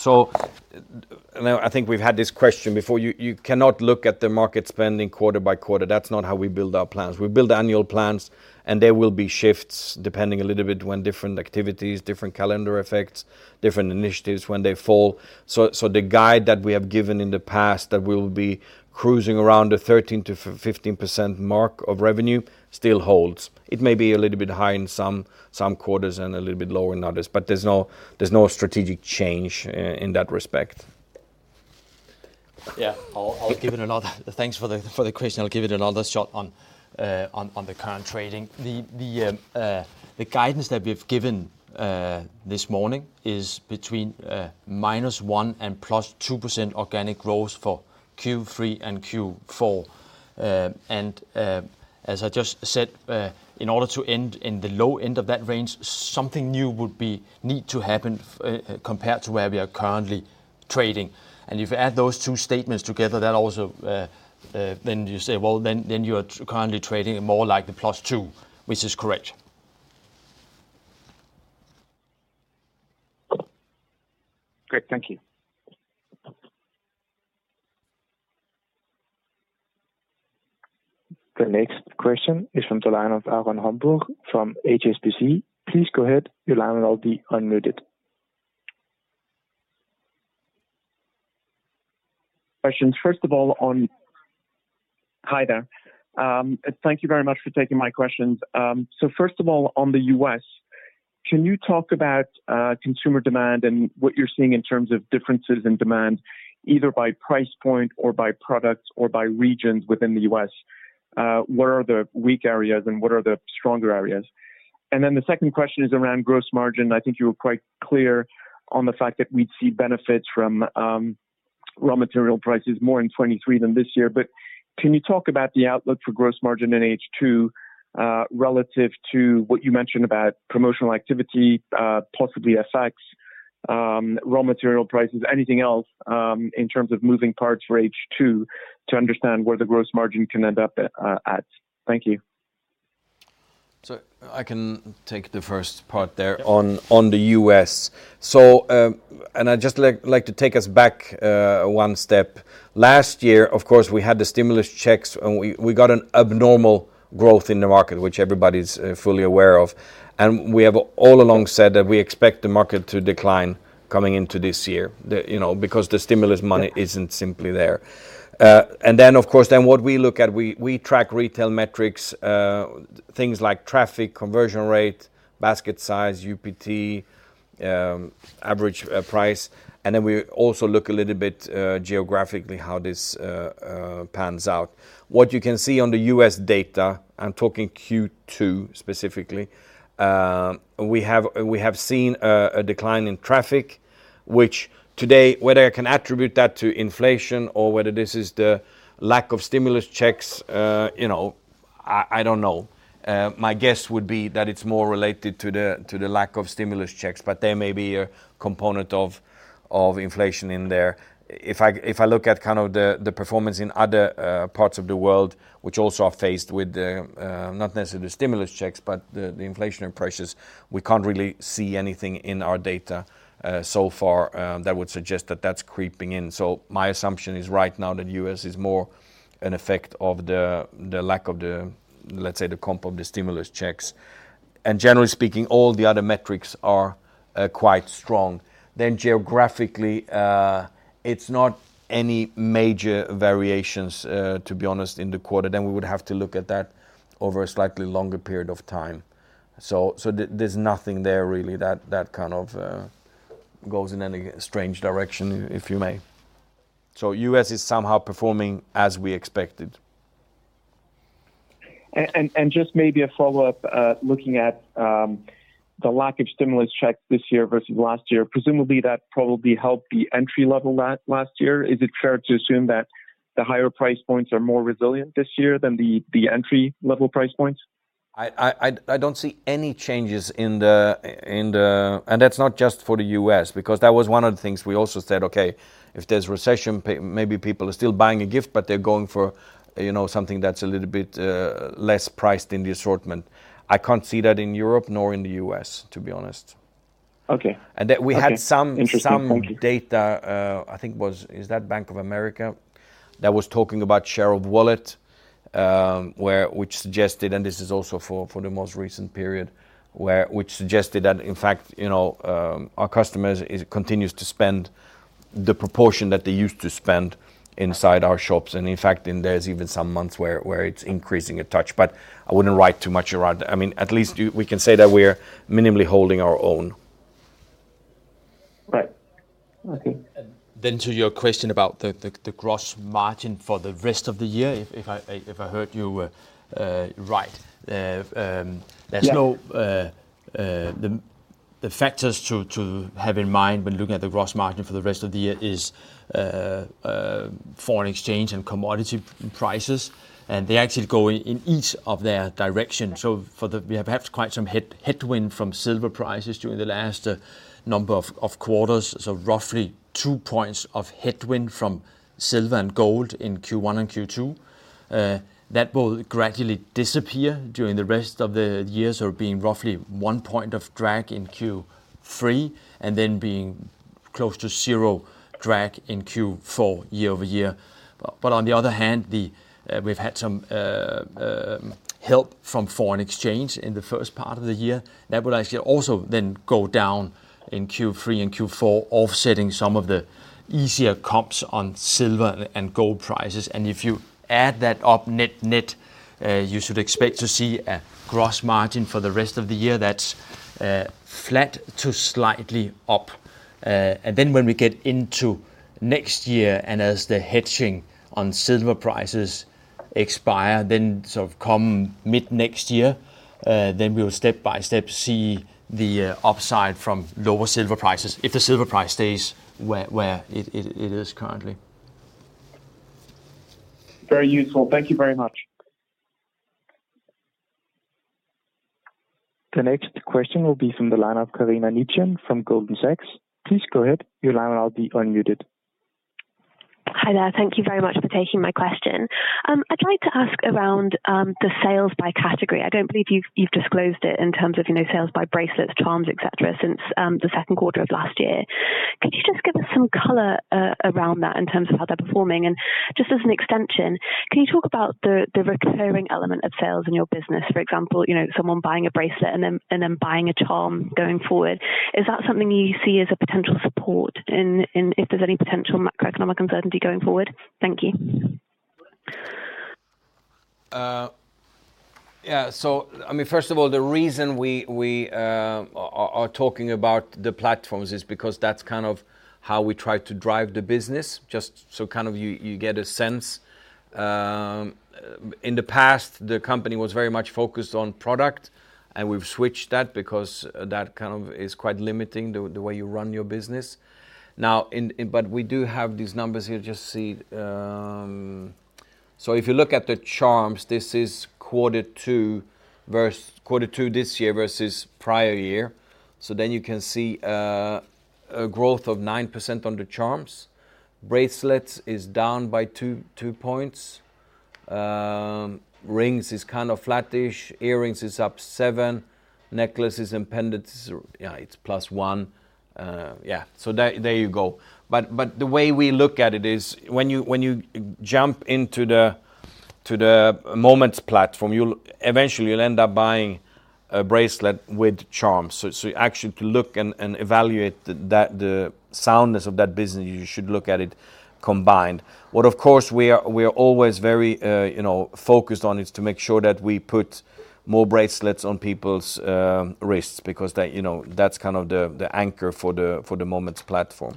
Now I think we've had this question before. You cannot look at the marketing spending quarter by quarter. That's not how we build our plans. We build annual plans, and there will be shifts, depending a little bit when different activities, different calendar effects, different initiatives when they fall. The guidance that we have given in the past that we'll be cruising around the 13%-15% mark of revenue still holds. It may be a little bit high in some quarters and a little bit lower in others. There's no strategic change in that respect. Thanks for the question. I'll give it another shot on the current trading. The guidance that we've given this morning is between -1% and +2% organic growth for Q3 and Q4. As I just said, in order to end in the low end of that range, something new would need to happen compared to where we are currently trading. If you add those two statements together, that also then you say, well, then you are currently trading more like the +2, which is correct. Great. Thank you. The next question is from the line of Erwan Rambourg from HSBC. Please go ahead. Your line will all be unmuted. Hi there. Thank you very much for taking my questions. First of all, on the U.S., can you talk about consumer demand and what you're seeing in terms of differences in demand, either by price point or by products or by regions within the U.S.? What are the weak areas and what are the stronger areas? The second question is around gross margin. I think you were quite clear on the fact that we'd see benefits from raw material prices more in 2023 than this year. Can you talk about the outlook for gross margin in H2 relative to what you mentioned about promotional activity, possibly FX, raw material prices, anything else in terms of moving parts for H2 to understand where the gross margin can end up at? Thank you. I can take the first part there on the U.S. I'd just like to take us back one step. Last year, of course, we had the stimulus checks and we got an abnormal growth in the market, which everybody's fully aware of. We have all along said that we expect the market to decline coming into this year, you know, because the stimulus money isn't simply there. What we look at, we track retail metrics, things like traffic, conversion rate, basket size, UPT, average price. We also look a little bit geographically how this pans out. What you can see on the U.S. data, I'm talking Q2 specifically, we have seen a decline in traffic, which today, whether I can attribute that to inflation or whether this is the lack of stimulus checks, you know, I don't know. My guess would be that it's more related to the lack of stimulus checks. There may be a component of inflation in there. If I look at kind of the performance in other parts of the world, which also are faced with the not necessarily stimulus checks, but the inflationary pressures, we can't really see anything in our data so far that would suggest that that's creeping in. My assumption is right now that U.S. is more an effect of the lack of the, let's say, the comp of the stimulus checks. Generally speaking, all the other metrics are quite strong. Geographically, it's not any major variations, to be honest, in the quarter, then we would have to look at that over a slightly longer period of time. There's nothing there really that kind of goes in any strange direction, if you may. U.S. is somehow performing as we expected. Just maybe a follow-up, looking at the lack of stimulus checks this year versus last year. Presumably, that probably helped the entry level last year. Is it fair to assume that the higher price points are more resilient this year than the entry level price points? I don't see any changes. That's not just for the U.S., because that was one of the things we also said. Okay, if there's recession, maybe people are still buying a gift, but they're going for, you know, something that's a little bit less priced in the assortment. I can't see that in Europe nor in the U.S., to be honest. Okay. And then we had some- Interesting. Thank you. Some data, I think, was it Bank of America? That was talking about share of wallet, which suggested, and this is also for the most recent period, which suggested that in fact, you know, our customers continues to spend the proportion that they used to spend inside our shops, and in fact, there's even some months where it's increasing a touch. But I wouldn't write too much around that. I mean, at least we can say that we're minimally holding our own. Right. Okay. To your question about the gross margin for the rest of the year, if I heard you right. Yeah. The factors to have in mind when looking at the gross margin for the rest of the year is foreign exchange and commodity prices. They actually go in each of their direction. We have perhaps quite some headwind from silver prices during the last number of quarters. Roughly two points of headwind from silver and gold in Q1 and Q2. That will gradually disappear during the rest of the year. It being roughly 1 point of drag in Q3, and then being close to 0 drag in Q4 year-over-year. On the other hand, we've had some help from foreign exchange in the first part of the year. That will actually also then go down in Q3 and Q4, offsetting some of the easier comps on silver and gold prices. If you add that up net, you should expect to see a gross margin for the rest of the year that's flat to slightly up. When we get into next year, and as the hedging on silver prices expire, sort of come mid-next year, then we'll step-by-step see the upside from lower silver prices, if the silver price stays where it is currently. Very useful. Thank you very much. The next question will be from the line of Carina Lykke from Goldman Sachs. Please go ahead. Your line will now be unmuted. Hi, there. Thank you very much for taking my question. I'd like to ask around the sales by category. I don't believe you've disclosed it in terms of, you know, sales by bracelets, charms, et cetera, since the second quarter of last year. Could you just give us some color around that in terms of how they're performing? Just as an extension, can you talk about the recurring element of sales in your business? For example, you know, someone buying a bracelet and then buying a charm going forward. Is that something you see as a potential support in if there's any potential macroeconomic uncertainty going forward? Thank you. I mean, first of all, the reason we are talking about the platforms is because that's kind of how we try to drive the business, just so kind of you get a sense. In the past, the company was very much focused on product, and we've switched that because that kind of is quite limiting the way you run your business. We do have these numbers here. Just see. If you look at the charms, this is quarter two this year versus prior year. Then you can see a growth of 9% on the charms. Bracelets is down by two points. Rings is kind of flat-ish. Earrings is up 7%. Necklaces and pendants is, yeah, it's plus 1%. There you go. The way we look at it is when you jump into the Moments platform, you'll eventually end up buying a bracelet with charms. Actually to look and evaluate the soundness of that business, you should look at it combined. What of course we are always very you know focused on is to make sure that we put more bracelets on people's wrists because that you know that's kind of the anchor for the Moments platform.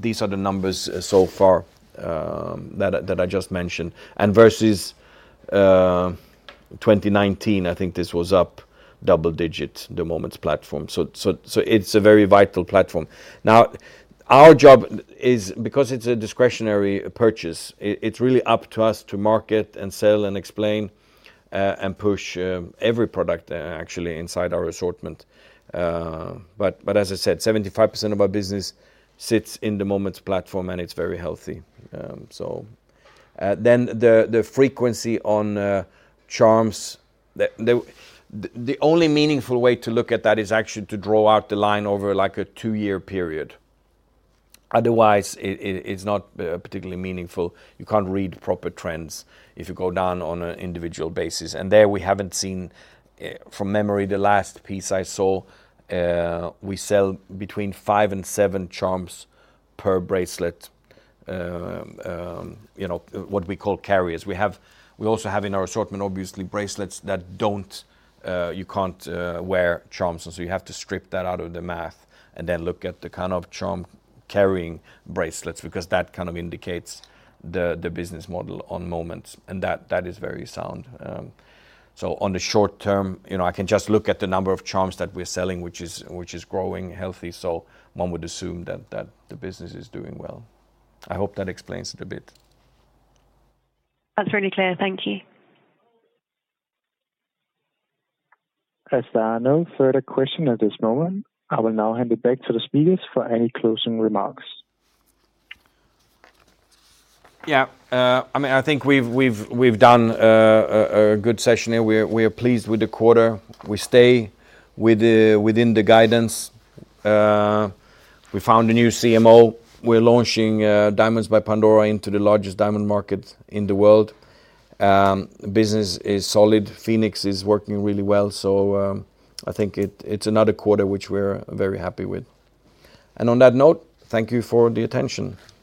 These are the numbers so far that I just mentioned. Versus 2019, I think this was up double digits, the Moments platform. It's a very vital platform. Now our job is, because it's a discretionary purchase, it's really up to us to market and sell and explain and push every product actually inside our assortment. As I said, 75% of our business sits in the Moments platform, and it's very healthy. The frequency on charms, the only meaningful way to look at that is actually to draw out the line over like a two-year period. Otherwise it's not particularly meaningful. You can't read proper trends if you go down on an individual basis. There we haven't seen, from memory, the last piece I saw, we sell between five and seven charms per bracelet. You know what we call carriers. We have, we also have in our assortment, obviously, bracelets that don't, you can't wear charms and so you have to strip that out of the math and then look at the kind of charm-carrying bracelets because that kind of indicates the business model on Moments. That is very sound. On the short term, you know, I can just look at the number of charms that we're selling, which is growing healthy. One would assume that the business is doing well. I hope that explains it a bit. That's really clear. Thank you. As there are no further questions at this moment, I will now hand it back to the speakers for any closing remarks. Yeah. I mean, I think we've done a good session here. We're pleased with the quarter. We stay within the guidance. We found a new CMO. We're launching Diamonds by Pandora into the largest diamond market in the world. Business is solid. Phoenix is working really well. I think it's another quarter which we're very happy with. On that note, thank you for the attention. Thank you. Thank you.